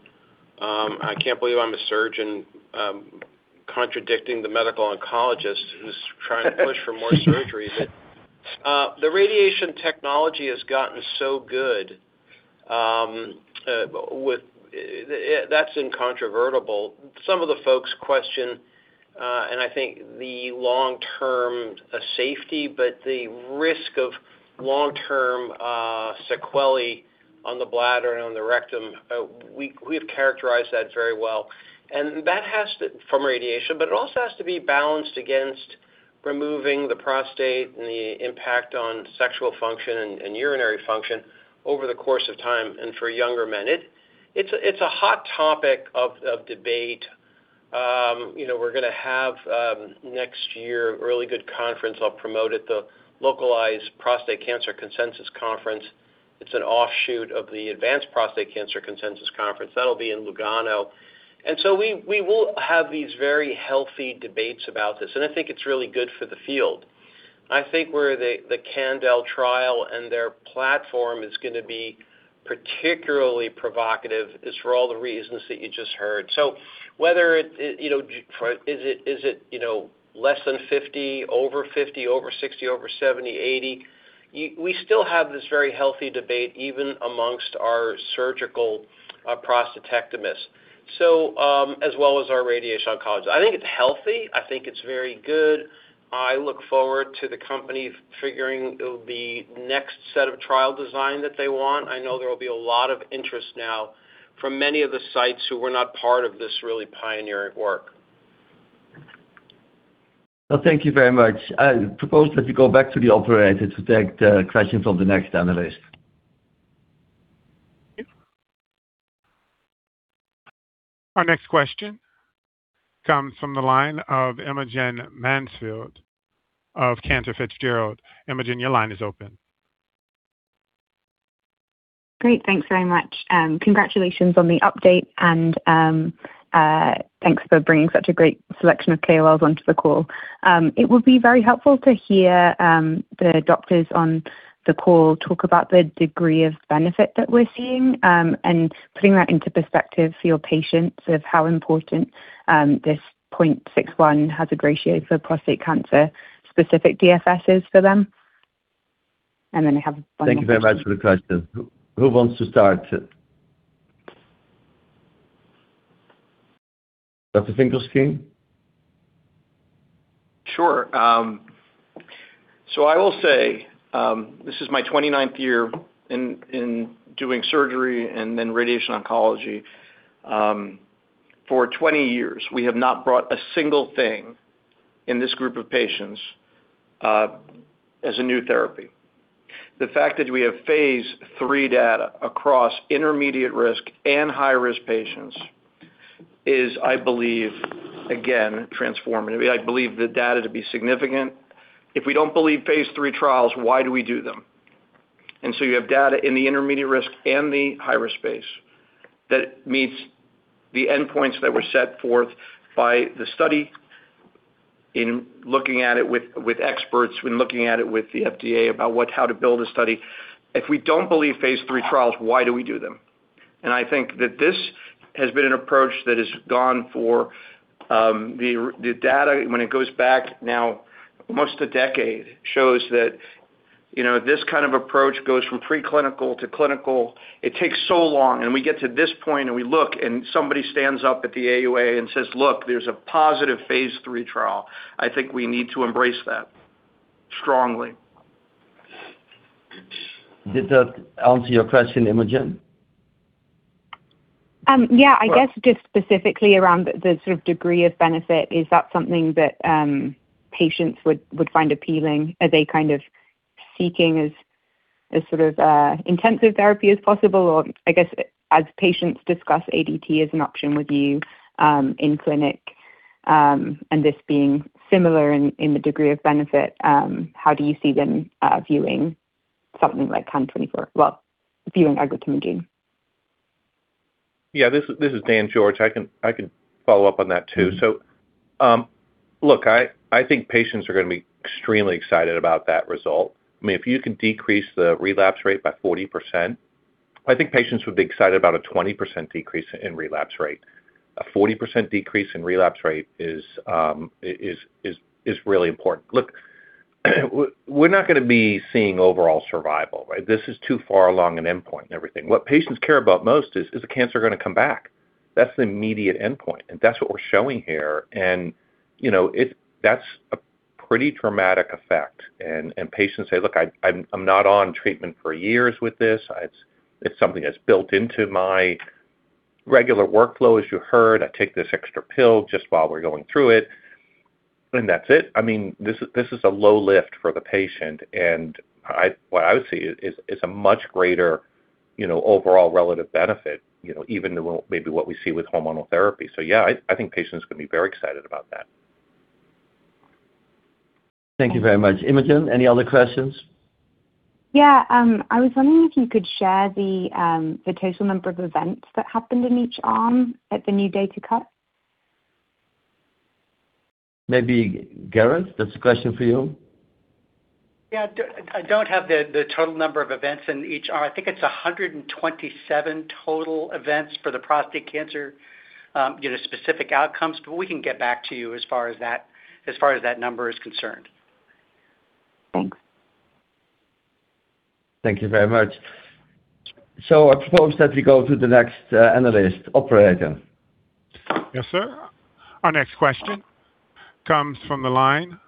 I can't believe I'm a surgeon contradicting the medical oncologist who's trying to push for more surgery. The radiation technology has gotten so good. That's incontrovertible. Some of the folks question, and I think the long-term safety, but the risk of long-term sequelae on the bladder and on the rectum, we've characterized that very well. That has to be from radiation, but it also has to be balanced against removing the prostate and the impact on sexual function and urinary function over the course of time and for younger men. It's a hot topic of debate. You know, we're gonna have next year a really good conference. I'll promote it, the Localized Prostate Cancer Consensus Conference. It's an offshoot of the Advanced Prostate Cancer Consensus Conference. That'll be in Lugano. We will have these very healthy debates about this, and I think it's really good for the field. I think where the Candel trial and their platform is gonna be particularly provocative is for all the reasons that you just heard. Whether it. Is it, you know, less than over 50, over 60, over 70, and 80? We still have this very healthy debate even amongst our surgical prostatectomists, so, as well as our radiation oncologist. I think it's healthy. I think it's very good. I look forward to the company figuring the next set of trial design that they want. I know there will be a lot of interest now from many of the sites who were not part of this really pioneering work. Well, thank you very much. I propose that we go back to the operator to take the questions of the next analyst. Our next question comes from the line of Imogen Mansfield of Cantor Fitzgerald. Imogen, your line is open. Great. Thanks very much. Congratulations on the update and thanks for bringing such a great selection of KOLs onto the call. It would be very helpful to hear the doctors on the call talk about the degree of benefit that we're seeing, and putting that into perspective for your patients of how important this 0.61 hazard ratio for prostate cancer-specific DFS for them. I'm gonna have one more question. Thank you very much for the question. Who wants to start? Dr. Finkelstein? Sure. I will say, this is my 29th year in doing surgery and then radiation oncology. For 20 years, we have not brought a single thing in this group of patients, as a new therapy. The fact that we have phase III data across intermediate risk and high-risk patients. I believe again, transformative. I believe the data to be significant. If we don't believe phase III trials, why do we do them? You have data in the intermediate risk and the high-risk space that meets the endpoints that were set forth by the study in looking at it with experts, when looking at it with the FDA about what, how to build a study. If we don't believe phase III trials, why do we do them? I think that this has been an approach that has gone for the data when it goes back now almost a decade, shows that, you know, this kind of approach goes from pre-clinical to clinical. It takes so long, and we get to this point, and we look, and somebody stands up at the AUA and says, "Look, there's a positive phase III trial." I think we need to embrace that strongly. Did that answer your question, Imogen? Yeah. Sure. I guess just specifically around the sort of degree of benefit, is that something that patients would find appealing? Are they kind of seeking as sort of intensive therapy as possible? I guess as patients discuss ADT as an option with you in clinic, and this being similar in the degree of benefit, how do you see them viewing something like CAN-2409? Well, viewing aglatimagene? Yeah, this is Dan George. I can follow up on that too. Look, I think patients are going to be extremely excited about that result. I mean, if you can decrease the relapse rate by 40%, I think patients would be excited about a 20% decrease in relapse rate. A 40% decrease in relapse rate is really important. Look, we're not going to be seeing overall survival, right? This is too far along an endpoint and everything. What patients care about most is the cancer going to come back? That's the immediate endpoint, and that's what we're showing here. You know, that's a pretty dramatic effect. And patients say, "Look, I'm not on treatment for years with this. It's something that's built into my regular workflow, as you heard. I take this extra pill just while we're going through it, and that's it. I mean, this is a low lift for the patient. What I would say is it's a much greater, you know, overall relative benefit, you know, even to what maybe what we see with hormonal therapy. Yeah, I think patients can be very excited about that. Thank you very much. Imogen Mansfield, any other questions? Yeah. I was wondering if you could share the total number of events that happened in each arm at the new data cut. Maybe Garrett, that's a question for you. Yeah. I don't have the total number of events in each arm. I think it's 127 total events for the prostate cancer, you know, specific outcomes. We can get back to you as far as that number is concerned. Thank you very much. I propose that we go to the next analyst. Operator. Yes, sir. Our next question comes from the line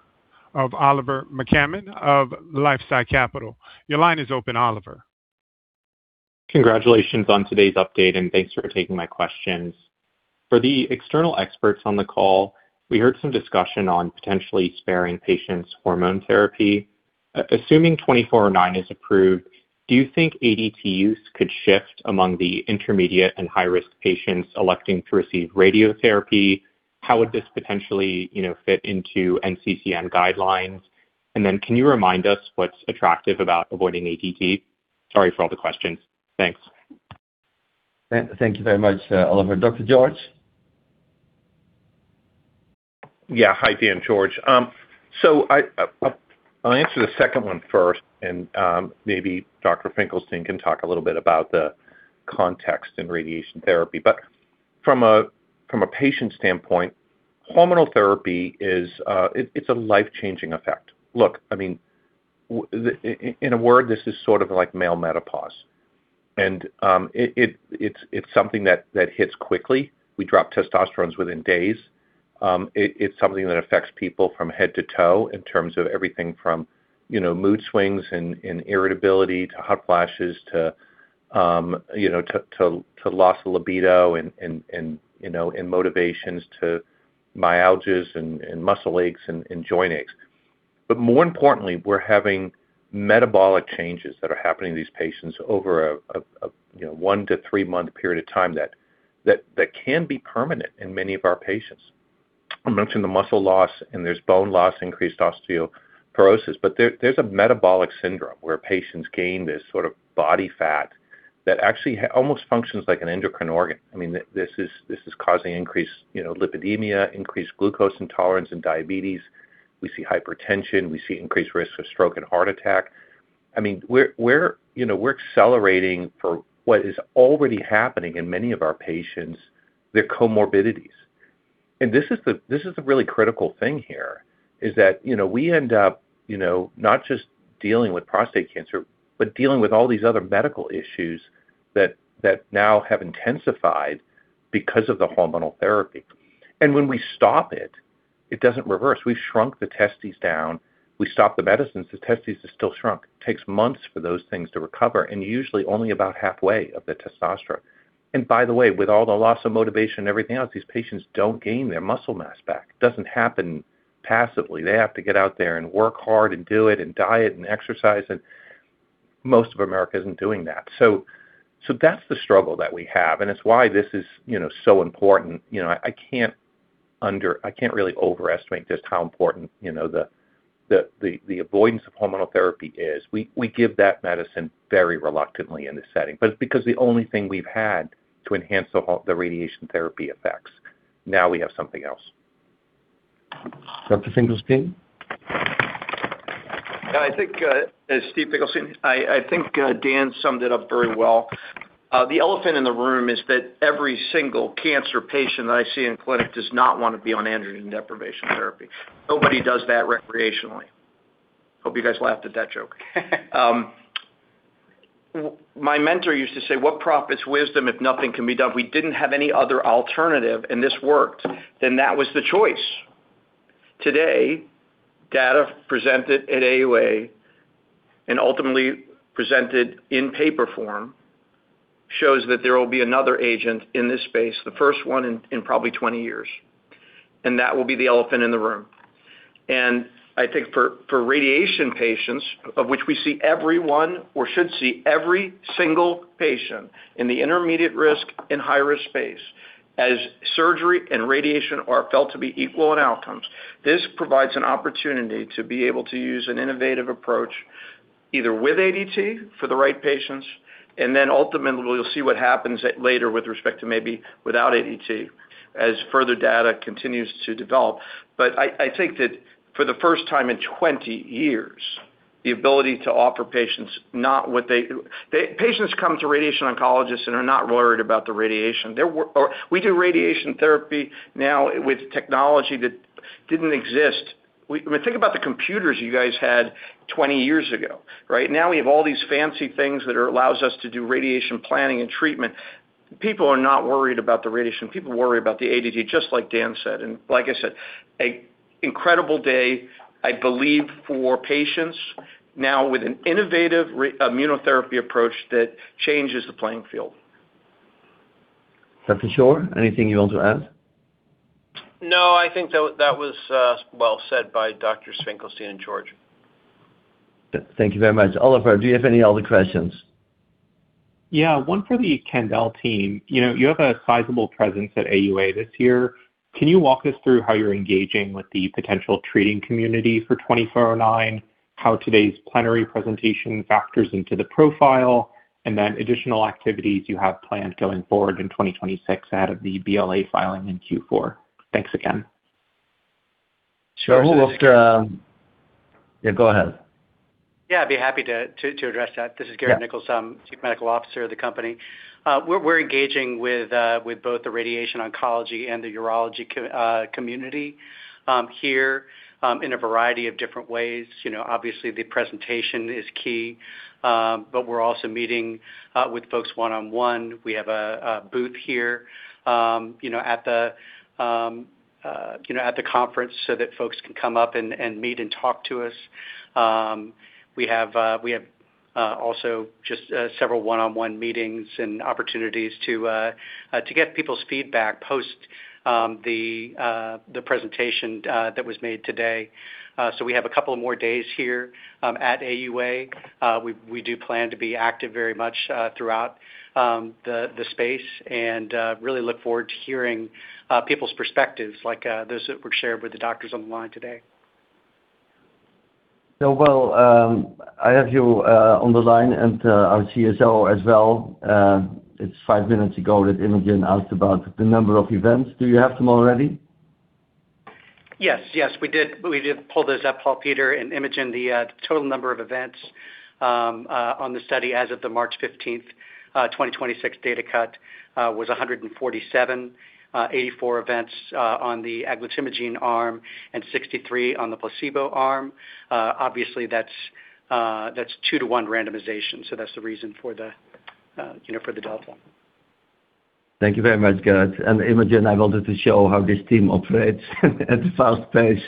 of Oliver McCammon of LifeSci Capital. Your line is open, Oliver. Congratulations on today's update, and thanks for taking my questions. For the external experts on the call, we heard some discussion on potentially sparing patients hormone therapy. Assuming 2409 is approved, do you think ADT use could shift among the intermediate and high-risk patients electing to receive radiotherapy? How would this potentially, you know, fit into NCCN guidelines? Can you remind us what's attractive about avoiding ADT? Sorry for all the questions. Thanks. Thank you very much, Oliver. Dr. George? Hi, Dr. Daniel George. I'll answer the second one first and maybe Dr. Steven Finkelstein can talk a little bit about the context in radiation therapy. From a patient standpoint, hormonal therapy is a life-changing effect. Look, I mean, in a word, this is sort of like male menopause. It is something that hits quickly. We drop testosterone within days. It is something that affects people from head to toe in terms of everything from, you know, mood swings and irritability to hot flashes, to, you know, loss of libido and motivations to myalgias and muscle aches and joint aches. More importantly, we're having metabolic changes that are happening to these patients over a, you know, 1- to 3-month period of time that can be permanent in many of our patients. I mentioned the muscle loss, and there's bone loss, increased osteoporosis, but there's a metabolic syndrome where patients gain this sort of body fat that actually almost functions like an endocrine organ. I mean, this is causing increased, you know, lipidemia, increased glucose intolerance and diabetes. We see hypertension. We see increased risk of stroke and heart attack. I mean, we're, you know, we're accelerating for what is already happening in many of our patients, their comorbidities. This is the really critical thing here, is that, you know, we end up, you know, not just dealing with prostate cancer, but dealing with all these other medical issues that now have intensified because of the hormonal therapy. When we stop it doesn't reverse. We've shrunk the testes down. We stop the medicines, the testes are still shrunk. It takes months for those things to recover, and usually only about halfway of the testosterone. By the way, with all the loss of motivation and everything else, these patients don't gain their muscle mass back. It doesn't happen passively. They have to get out there and work hard and do it and diet and exercise, and most of America isn't doing that. that's the struggle that we have, and it's why this is, you know, so important. You know, I can't really overestimate just how important, you know, the avoidance of hormonal therapy is. We give that medicine very reluctantly in this setting. It's because the only thing we've had to enhance the radiation therapy effects. Now we have something else. Dr. Finkelstein? Yeah, I think, as Steven Finkelstein, I think, Dan summed it up very well. The elephant in the room is that every single cancer patient that I see in clinic does not wanna be on androgen deprivation therapy. Nobody does that recreationally. Hope you guys laughed at that joke. My mentor used to say, "What profits wisdom if nothing can be done?" We didn't have any other alternative, and this worked. That was the choice. Today, data presented at AUA and ultimately presented in paper form shows that there will be another agent in this space, the first one in probably 20 years, and that will be the elephant in the room. I think for radiation patients, of which we see every one or should see every single patient in the intermediate risk and high-risk space, as surgery and radiation are felt to be equal in outcomes. This provides an opportunity to be able to use an innovative approach either with ADT for the right patients, and then ultimately we'll see what happens at later with respect to maybe without ADT as further data continues to develop. I think that for the first time in 20 years, the ability to offer patients not what patients come to radiation oncologists and are not worried about the radiation. Or we do radiation therapy now with technology that didn't exist. We, I mean, think about the computers you guys had 20 years ago, right? Now we have all these fancy things that allows us to do radiation planning and treatment. People are not worried about the radiation. People worry about the ADT, just like Dan said. Like I said, an incredible day, I believe, for patients now with an innovative immunotherapy approach that changes the playing field. Dr. Shore, anything you want to add? No, I think that was well said by Drs. Finkelstein and George. Thank you very much. Oliver, do you have any other questions? Yeah, one for the Candel team. You know, you have a sizable presence at AUA this year. Can you walk us through how you're engaging with the potential treating community for 2409, how today's plenary presentation factors into the profile, and then additional activities you have planned going forward in 2026 out of the BLA filing in Q4. Thanks again. Sure. Who will take, Yeah, go ahead. Yeah, I'd be happy to address that. This is W. Garrett Nichols. Yeah. I'm Chief Medical Officer of the company. We're engaging with both the radiation oncology and the urology community here in a variety of different ways. You know, obviously the presentation is key, but we're also meeting with folks one-on-one. We have a booth here at the conference so that folks can come up and meet and talk to us. We have also just several one-on-one meetings and opportunities to get people's feedback post the presentation that was made today. We have a couple more days here at AUA. We do plan to be active very much throughout the space and really look forward to hearing people's perspectives like those that were shared with the doctors on the line today. well, I have you on the line and our CSO as well. It's five minutes ago that Imogen asked about the number of events. Do you have them already? Yes, we did pull those up, Paul Peter and Imogen. The total number of events on the study as of the March 15, 2026 data cut was 147, 84 events on the aglatimagene arm and 63 on the placebo arm. Obviously that's two-to-one randomization, so that's the reason for the, you know, for the delta. Thank you very much, Garrett. Imogen, I wanted to show how this team operates at fast pace.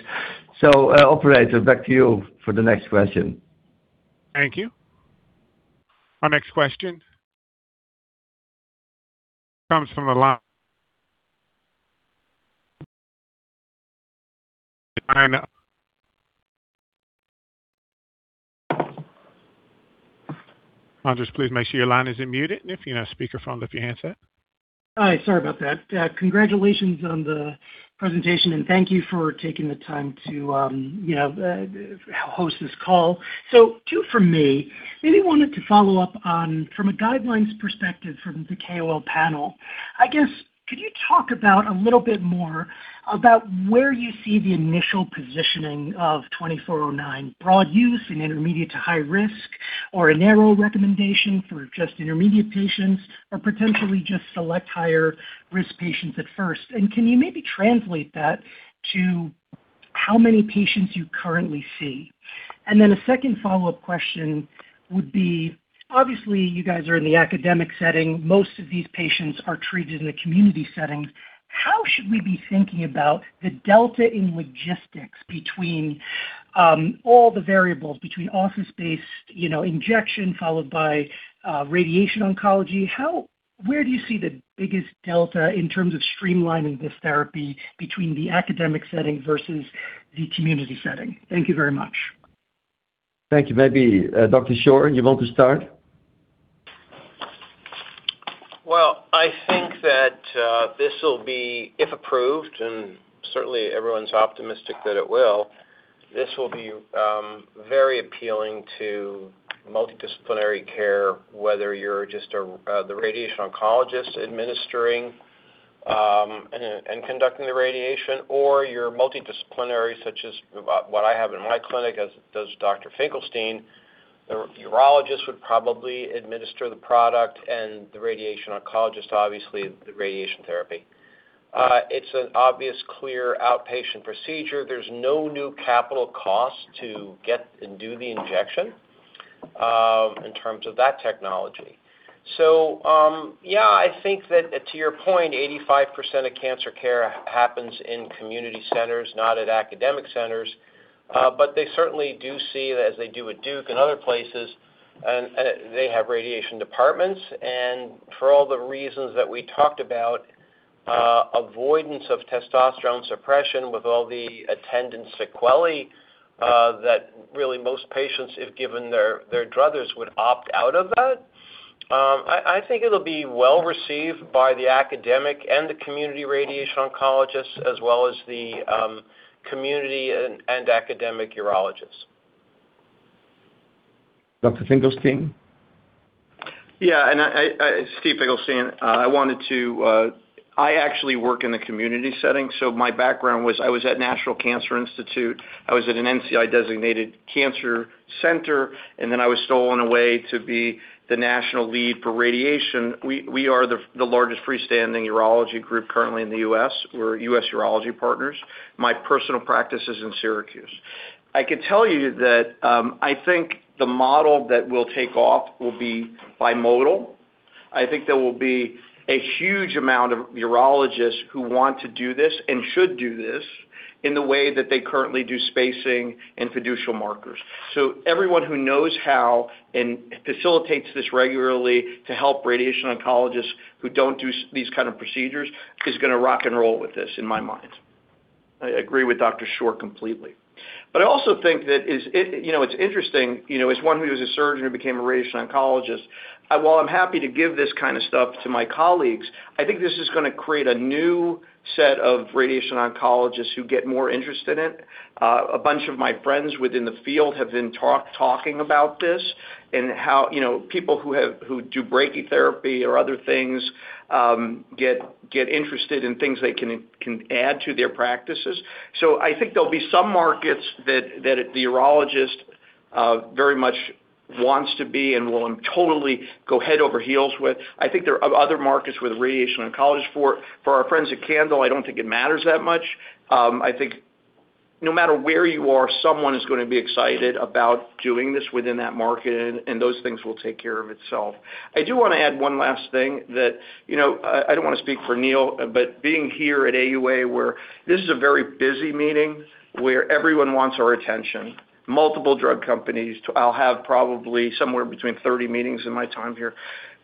Operator, back to you for the next question. Thank you. Our next question comes from the line. Hi, sorry about that. Congratulations on the presentation, and thank you for taking the time to, you know, host this call. Two from me. Maybe wanted to follow up on from a guidelines perspective from the KOL panel, I guess could you talk about a little bit more about where you see the initial positioning of 2409 broad use in intermediate to high risk? Or a narrow recommendation for just intermediate patients, or potentially just select higher risk patients at first? Can you maybe translate that to how many patients you currently see? Then a second follow-up question would be, obviously, you guys are in the academic setting, most of these patients are treated in the community setting. How should we be thinking about the delta in logistics between all the variables between office-based, you know, injection followed by radiation oncology? Where do you see the biggest delta in terms of streamlining this therapy between the academic setting versus the community setting? Thank you very much. Thank you. Maybe, Dr. Shore, you want to start? Well, I think that this will be, if approved, and certainly everyone's optimistic that it will, this will be very appealing to multidisciplinary care, whether you're just the radiation oncologist administering and conducting the radiation, or you're multidisciplinary, such as what I have in my clinic as does Dr. Finkelstein. The urologist would probably administer the product and the radiation oncologist, obviously, the radiation therapy. It's an obvious, clear outpatient procedure. There's no new capital cost to get and do the injection in terms of that technology. I think that to your point, 85% of cancer care happens in community centers, not at academic centers, but they certainly do see, as they do at Duke and other places, and they have radiation departments. for all the reasons that we talked about, avoidance of testosterone suppression with all the attendant sequelae, that really most patients, if given their druthers, would opt out of that. I think it'll be well-received by the academic and the community radiation oncologists as well as the community and academic urologists. Dr. Finkelstein? Steven Finkelstein. I wanted to, I actually work in the community setting, so my background was I was at National Cancer Institute, I was at an NCI-designated cancer center, and then I was stolen away to be the national lead for radiation. We are the largest freestanding urology group currently in the U.S. We're U.S. Urology Partners. My personal practice is in Syracuse. I could tell you that, I think the model that will take off will be bimodal. I think there will be a huge amount of urologists who want to do this and should do this in the way that they currently do spacing and fiducial markers. Everyone who knows how and facilitates this regularly to help radiation oncologists who don't do these kind of procedures is gonna rock and roll with this, in my mind. I agree with Dr. Shore completely. I also think that is, it you know, it's interesting, you know, as one who was a surgeon who became a radiation oncologist, while I'm happy to give this kind of stuff to my colleagues. I think this is gonna create a new set of radiation oncologists who get more interested in it. A bunch of my friends within the field have been talking about this and how, you know, people who do brachytherapy or other things, get interested in things they can add to their practices. I think there'll be some markets that a urologist very much wants to be and will totally go head over heels with. I think there are other markets with radiation oncologists for it. For our friends at Candel, I don't think it matters that much. I think no matter where you are, someone is gonna be excited about doing this within that market, and those things will take care of itself. I do wanna add one last thing that, you know, I don't wanna speak for Neal, but being here at AUA, where this is a very busy meeting where everyone wants our attention, multiple drug companies. I'll have probably somewhere between 30 meetings in my time here.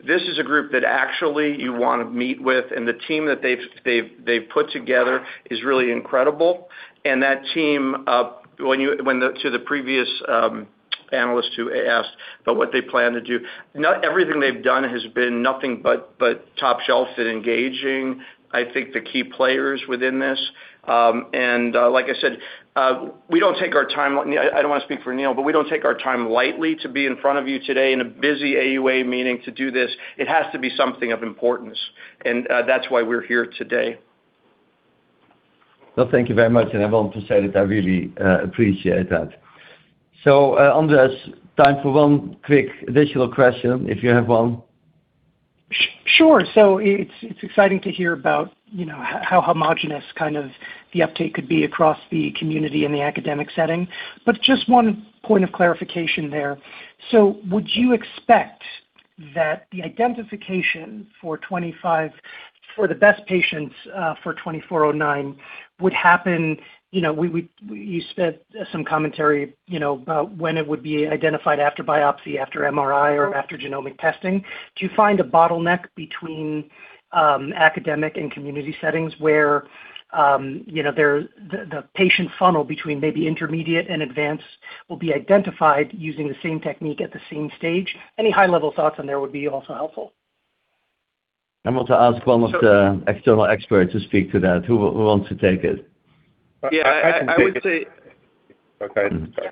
This is a group that actually you wanna meet with, and the team that they've put together is really incredible. that team, to the previous analysts who asked about what they plan to do, everything they've done has been nothing but top shelf and engaging, I think the key players within this. Like I said, we don't take our time lightly. I don't wanna speak for Neal, but we don't take our time lightly to be in front of you today in a busy AUA meeting to do this. It has to be something of importance. That's why we're here today. Well, thank you very much. I want to say that I really appreciate that. Andres, time for one quick additional question if you have one. It's exciting to hear about, you know, how homogenous kind of the uptake could be across the community in the academic setting. Just one point of clarification there. Would you expect that the identification for 25 for the best patients for 2409 would happen. You know, you spent some commentary, you know, about when it would be identified after biopsy, after MRI or after genomic testing. Do you find a bottleneck between academic and community settings where, you know, there the patient funnel between maybe intermediate and advanced will be identified using the same technique at the same stage? Any high-level thoughts on there would be also helpful. I want to ask one of the external experts to speak to that. Who wants to take it? Yeah. I can take it. Okay. Go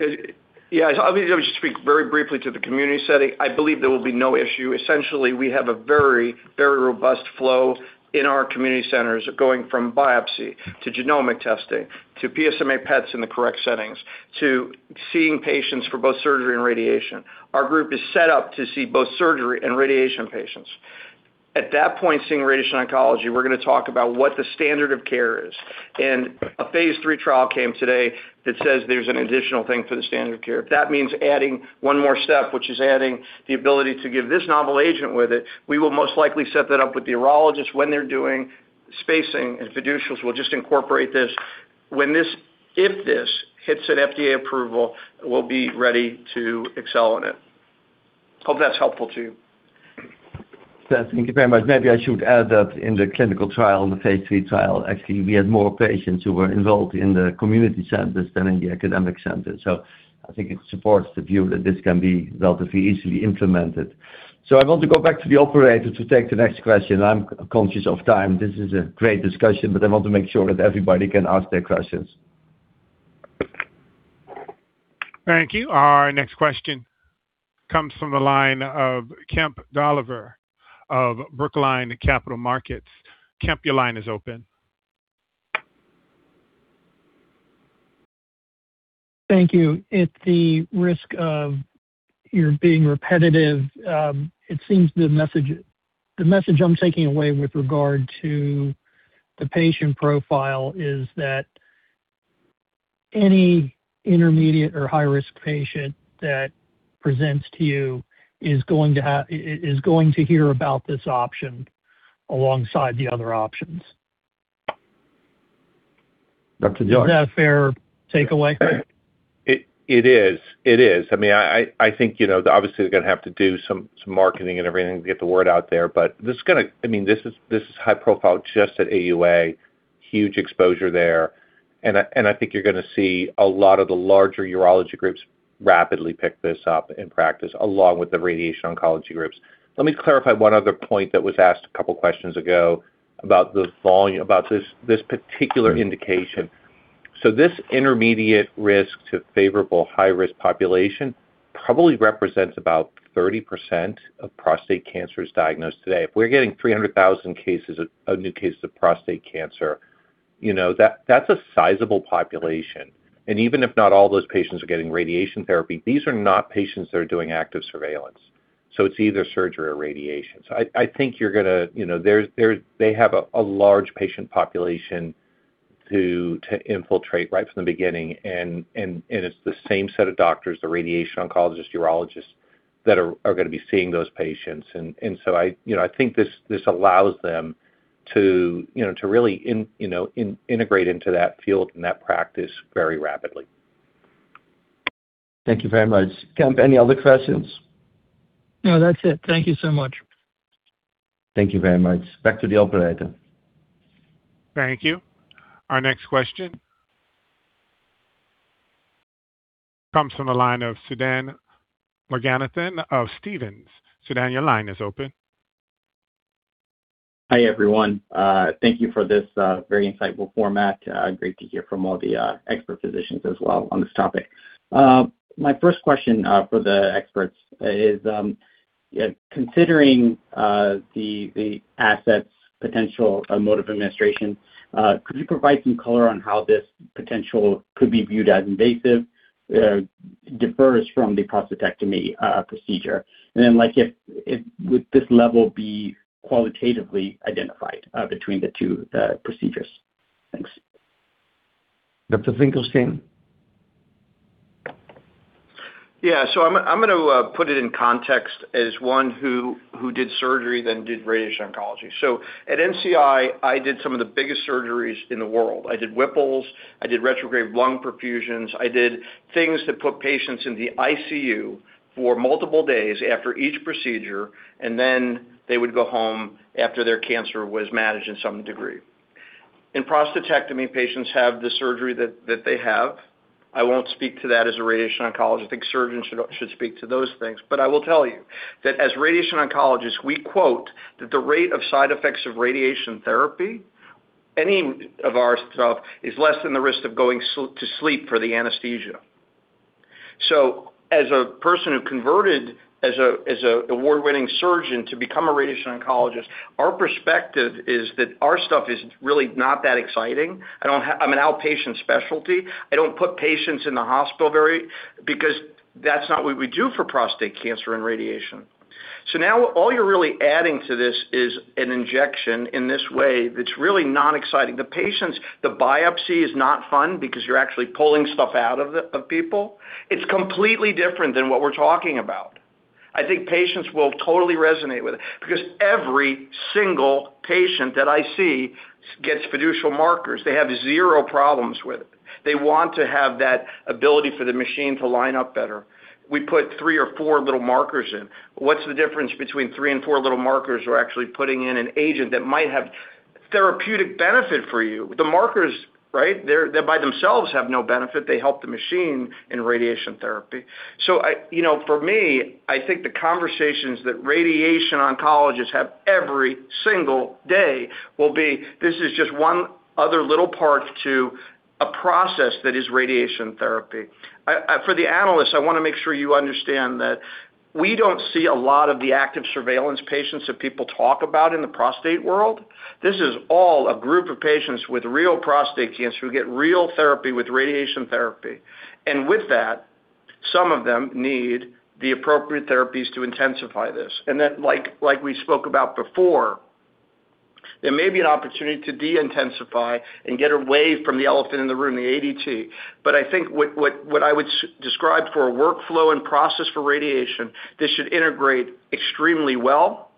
ahead. Yeah. Let me just speak very briefly to the community setting. I believe there will be no issue. Essentially, we have a very, very robust flow in our community centers going from biopsy to genomic testing to PSMA PETs in the correct settings to seeing patients for both surgery and radiation. Our group is set up to see both surgery and radiation patients. At that point, seeing radiation oncology, we're gonna talk about what the standard of care is. A phase III trial came today that says there's an additional thing for the standard of care. If that means adding one more step, which is adding the ability to give this novel agent with it, we will most likely set that up with the urologist when they're doing spacing and fiducials. We'll just incorporate this. If this hits an FDA approval, we'll be ready to excel in it. Hope that's helpful to you. Thank you very much. Maybe I should add that in the clinical trial, in the phase III trial, actually, we had more patients who were involved in the community centers than in the academic centers. I think it supports the view that this can be relatively easily implemented. I want to go back to the operator to take the next question. I'm conscious of time. This is a great discussion, but I want to make sure that everybody can ask their questions. Thank you. Our next question comes from the line of Kemp Dolliver of Brookline Capital Markets. Kemp, your line is open. Thank you. At the risk of your being repetitive, it seems the message I'm taking away with regard to the patient profile is that any intermediate or high-risk patient that presents to you is going to hear about this option alongside the other options. Dr. George? Is that a fair takeaway? It is. I mean, I think, you know, obviously, they're gonna have to do some marketing and everything to get the word out there. This is gonna, I mean, this is high profile just at AUA, huge exposure there. I think you're gonna see a lot of the larger urology groups rapidly pick this up in practice, along with the radiation oncology groups. Let me clarify one other point that was asked a couple questions ago about the volume. About this particular indication. This intermediate risk to favorable high-risk population probably represents about 30% of prostate cancers diagnosed today. If we're getting 300,000 cases of new cases of prostate cancer, you know, that's a sizable population. even if not all those patients are getting radiation therapy, these are not patients that are doing active surveillance. It's either surgery or radiation. I think you're gonna you know, they have a large patient population to infiltrate right from the beginning and it's the same set of doctors, the radiation oncologist, urologists, that are gonna be seeing those patients. I, you know, I think this allows them to, you know, to really integrate into that field and that practice very rapidly. Thank you very much. Kemp, any other questions? No, that's it. Thank you so much. Thank you very much. Back to the operator. Thank you. Our next question comes from the line of Sudan Loganathan of Stephens. Sudan, your line is open. Hi, everyone. Thank you for this very insightful format. Great to hear from all the expert physicians as well on this topic. My first question for the experts is, considering the asset's potential mode of administration, could you provide some color on how this potential could be viewed as invasive, differs from the prostatectomy procedure? Like, would this level be qualitatively identified between the two procedures? Thanks. Dr. Finkelstein? Yeah. I'm gonna put it in context as one who did surgery then did radiation oncology. At NCI, I did some of the biggest surgeries in the world. I did Whipples, I did retrograde lung perfusions. I did things that put patients in the ICU for multiple days after each procedure, and then they would go home after their cancer was managed in some degree. In prostatectomy, patients have the surgery that they have. I won't speak to that as a radiation oncologist. I think surgeons should speak to those things. I will tell you that as radiation oncologists, we quote that the rate of side effects of radiation therapy, any of our stuff, is less than the risk of going to sleep for the anesthesia. As a person who converted as a award-winning surgeon to become a radiation oncologist, our perspective is that our stuff is really not that exciting. I don't I'm an outpatient specialty. I don't put patients in the hospital very because that's not what we do for prostate cancer and radiation. Now all you're really adding to this is an injection in this way that's really not exciting. The patients, the biopsy is not fun because you're actually pulling stuff out of the, of people. It's completely different than what we're talking about. I think patients will totally resonate with it because every single patient that I see gets fiducial markers. They have zero problems with it. They want to have that ability for the machine to line up better. We put three or four little markers in. What's the difference between three and four little markers or actually putting in an agent that might have therapeutic benefit for you? The markers, right? They're, they by themselves have no benefit. They help the machine in radiation therapy. You know, for me, I think the conversations that radiation oncologists have every single day will be, this is just one other little part to a process that is radiation therapy. For the analysts, I wanna make sure you understand that we don't see a lot of the active surveillance patients that people talk about in the prostate world. This is all a group of patients with real prostate cancer who get real therapy with radiation therapy. With that. Some of them need the appropriate therapies to intensify this. like we spoke about before, there may be an opportunity to de-intensify and get away from the elephant in the room, the ADT. I think what I would describe for a workflow and process for radiation, this should integrate extremely well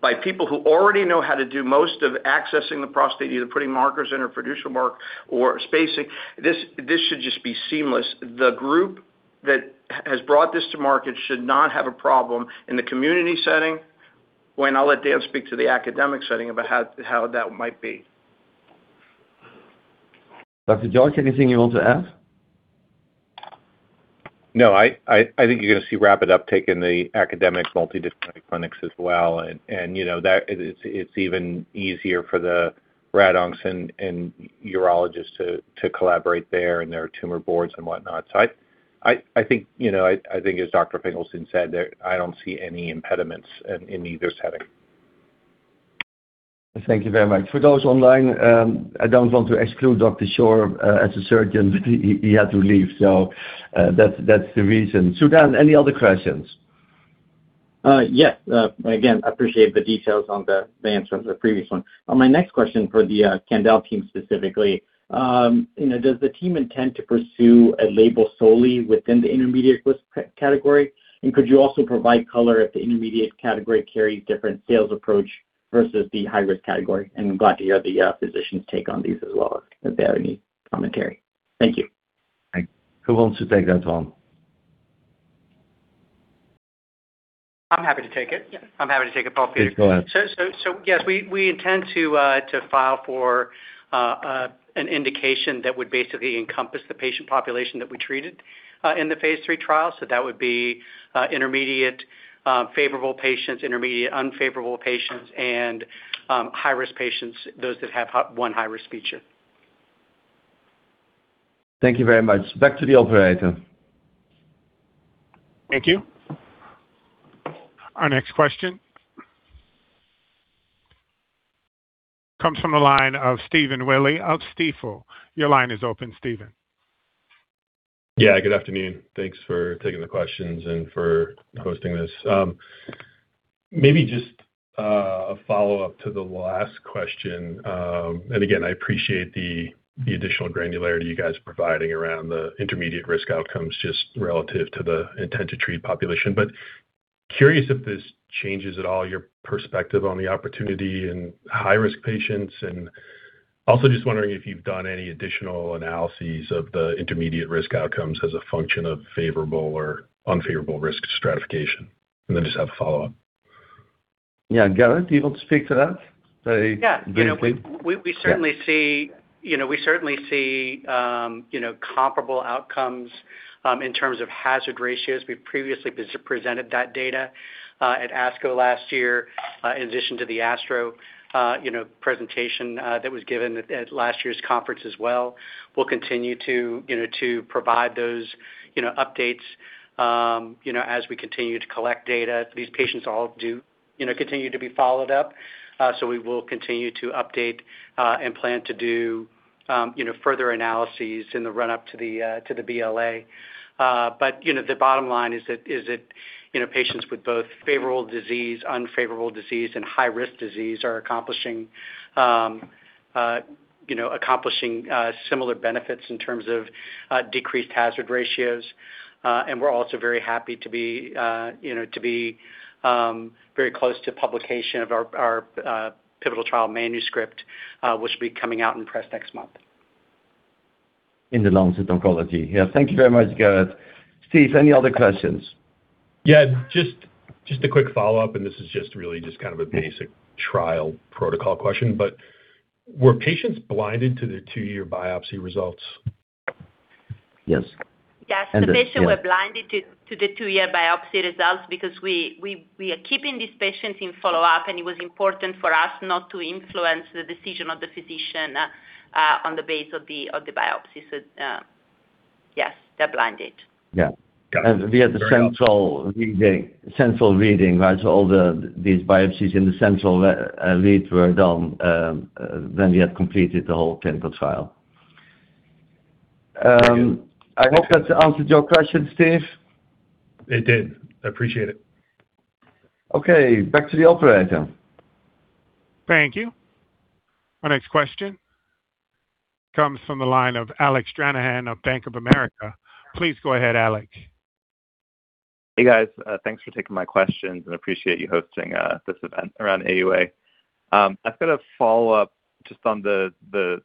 by people who already know how to do most of accessing the prostate, either putting markers in or fiducial a marker or spacing. This should just be seamless. The group that has brought this to market should not have a problem in the community setting. Well, I'll let Dan speak to the academic setting about how that might be. Dr. George, anything you want to add? No, I think you're gonna see rapid uptake in the academic multidisciplinary clinics as well, and you know, that it's even easier for the rad oncs and urologists to collaborate there and their tumor boards and whatnot. I think, you know, I think as Dr. Finkelstein said, there. I don't see any impediments in either setting. Thank you very much. For those online, I don't want to exclude Dr. Shore, as a surgeon. He had to leave, so that's the reason. Sudan, any other questions? Yes. Again, appreciate the details on the answer on the previous one. My next question for the Candel team specifically. You know, does the team intend to pursue a label solely within the intermediate risk category? Could you also provide color if the intermediate category carries different sales approach versus the high-risk category? I'm glad to hear the physician's take on these as well, if they have any commentary. Thank you. Right. Who wants to take that one? I'm happy to take it. Yeah. I'm happy to take it, Paul. Please go ahead. yes, we intend to file for an indication that would basically encompass the patient population that we treated in the phase III trial. That would be intermediate favorable patients, intermediate unfavorable patients and high-risk patients, those that have one high-risk feature. Thank you very much. Back to the operator. Thank you. Our next question comes from the line of Stephen Willey of Stifel. Your line is open, Stephen. Yeah, good afternoon. Thanks for taking the questions and for hosting this. Maybe just a follow-up to the last question. Again, I appreciate the additional granularity you guys are providing around the intermediate risk outcomes just relative to the intent to treat population. Curious if this changes at all your perspective on the opportunity in high-risk patients. Also just wondering if you've done any additional analyses of the intermediate risk outcomes as a function of favorable or unfavorable risk stratification. Just have a follow-up. Yeah. Garrett, do you want to speak to that? Yeah. Go ahead, please. You know, we certainly see comparable outcomes in terms of hazard ratios. We previously presented that data at ASCO last year, in addition to the ASTRO presentation that was given at last year's conference as well. We'll continue to provide those updates as we continue to collect data. These patients all do continue to be followed up. We will continue to update and plan to do further analyses in the run-up to the BLA. The bottom line is that patients with both favorable disease, unfavorable disease and high-risk disease are accomplishing similar benefits in terms of decreased hazard ratios. We're also very happy to be, you know, very close to publication of our pivotal trial manuscript, which will be coming out in press next month. In The Lancet Oncology. Yeah. Thank you very much, Garrett. Stephen, any other questions? Yeah, just a quick follow-up, and this is just really just kind of a basic trial protocol question, but were patients blinded to the two-year biopsy results? Yes. Yes. Yeah. The patient were blinded to the two-year biopsy results because we are keeping these patients in follow-up, and it was important for us not to influence the decision of the physician, on the base of the biopsy. Yes, they're blinded. Yeah. Got it. Fair enough. We had the central reading, right. All these biopsies in the central read were done when we had completed the whole clinical trial. I hope that answered your question, Stephen. It did. I appreciate it. Okay, back to the operator. Thank you. Our next question comes from the line of Alec Stranahan of Bank of America. Please go ahead, Alex. Hey, guys. Thanks for taking my questions and appreciate you hosting this event around AUA. I've got a follow-up just on the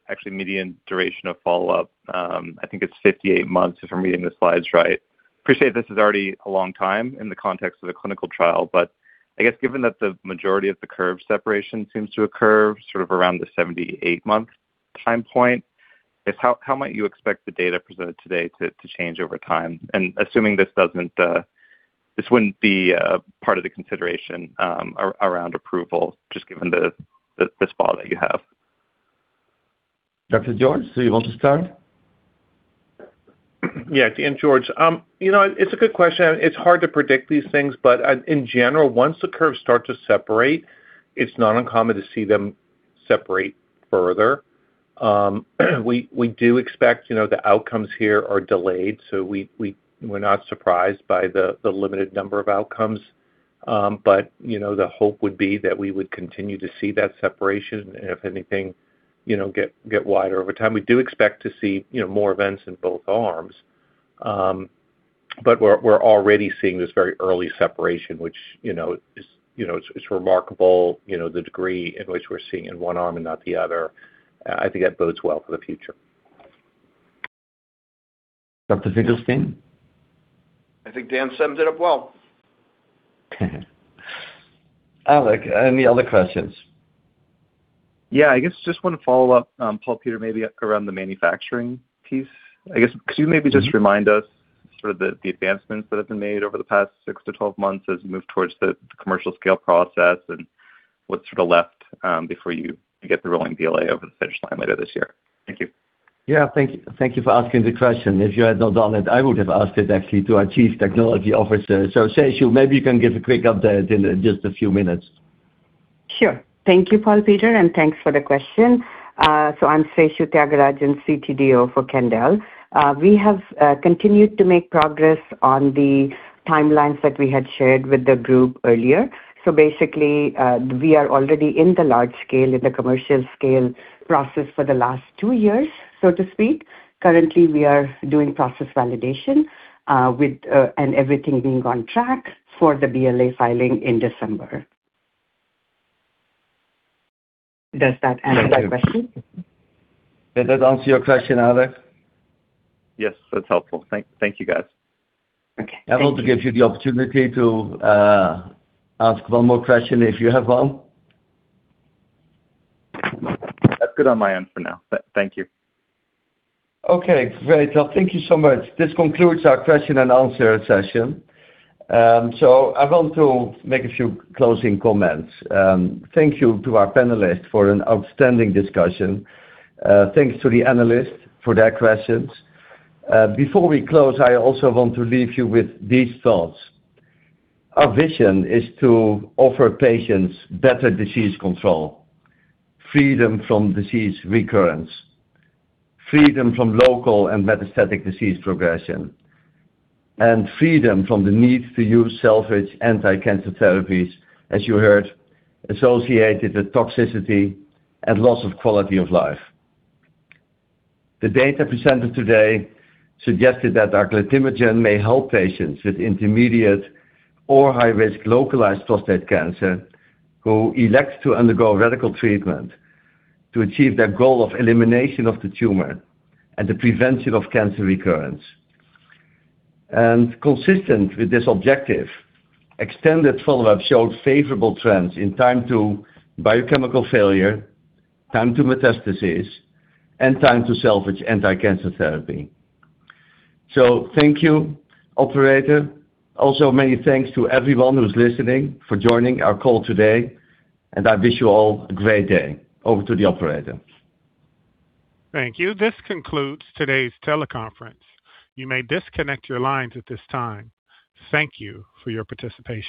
actually median duration of follow-up. I think it's 58 months, if I'm reading the slides right. Appreciate this is already a long time in the context of the clinical trial, but I guess given that the majority of the curve separation seems to occur sort of around the 78-month time point, is how might you expect the data presented today to change over time? Assuming this doesn't, this wouldn't be part of the consideration around approval, just given the spot that you have. Dr. George, do you want to start? Yeah. Dan George. you know, it's a good question. It's hard to predict these things, but, in general, once the curves start to separate, it's not uncommon to see them separate further. We do expect, you know, the outcomes here are delayed, so we're not surprised by the limited number of outcomes. You know, the hope would be that we would continue to see that separation and if anything, you know, get wider over time. We do expect to see, you know, more events in both arms. We're already seeing this very early separation, which, you know, is, you know, it's remarkable, you know, the degree in which we're seeing in one arm and not the other. I think that bodes well for the future. Dr. Finkelstein? I think Daniel sums it up well. Alec, any other questions? Yeah, I guess just wanna follow up, Paul Peter, maybe around the manufacturing piece. I guess could you maybe just remind us sort of the advancements that have been made over the past 6-12 months as you move towards the commercial scale process and what's sort of left, before you get the rolling BLA over the finish line later this year? Thank you. Yeah, thank you. Thank you for asking the question. If you had not done it, I would have asked it actually to our chief technology officer. Seshu, maybe you can give a quick update in just a few minutes. Sure. Thank you, Paul Peter, and thanks for the question. I'm Seshu Tyagarajan, CTDO for Candel Therapeutics. We have continued to make progress on the timelines that we had shared with the group earlier. Basically, we are already in the large scale, in the commercial scale process for the last two years, so to speak. Currently, we are doing process validation, with, and everything being on track for the BLA filing in December. Does that answer your question? Does that answer your question, Alec? Yes. That's helpful. Thank you, guys. Okay. Thank you. I want to give you the opportunity to ask one more question if you have one. That's good on my end for now. Thank you. Okay, great. Well, thank you so much. This concludes our question and answer session. I want to make a few closing comments. Thanks to our panelists for an outstanding discussion. Thanks to the analysts for their questions. Before we close, I also want to leave you with these thoughts. Our vision is to offer patients better disease control, freedom from disease recurrence, freedom from local and metastatic disease progression, and freedom from the need to use salvage anti-cancer therapies, as you heard, associated with toxicity and loss of quality of life. The data presented today suggested that our aglatimagene may help patients with intermediate or high risk localized prostate cancer who elect to undergo radical treatment to achieve their goal of elimination of the tumor and the prevention of cancer recurrence. Consistent with this objective, extended follow-up showed favorable trends in time to biochemical failure, time to metastasis, and time to salvage anti-cancer therapy. thank you, operator. Also, many thanks to everyone who's listening for joining our call today, and I wish you all a great day. Over to the operator. Thank you. This concludes today's teleconference. You may disconnect your lines at this time. Thank you for your participation.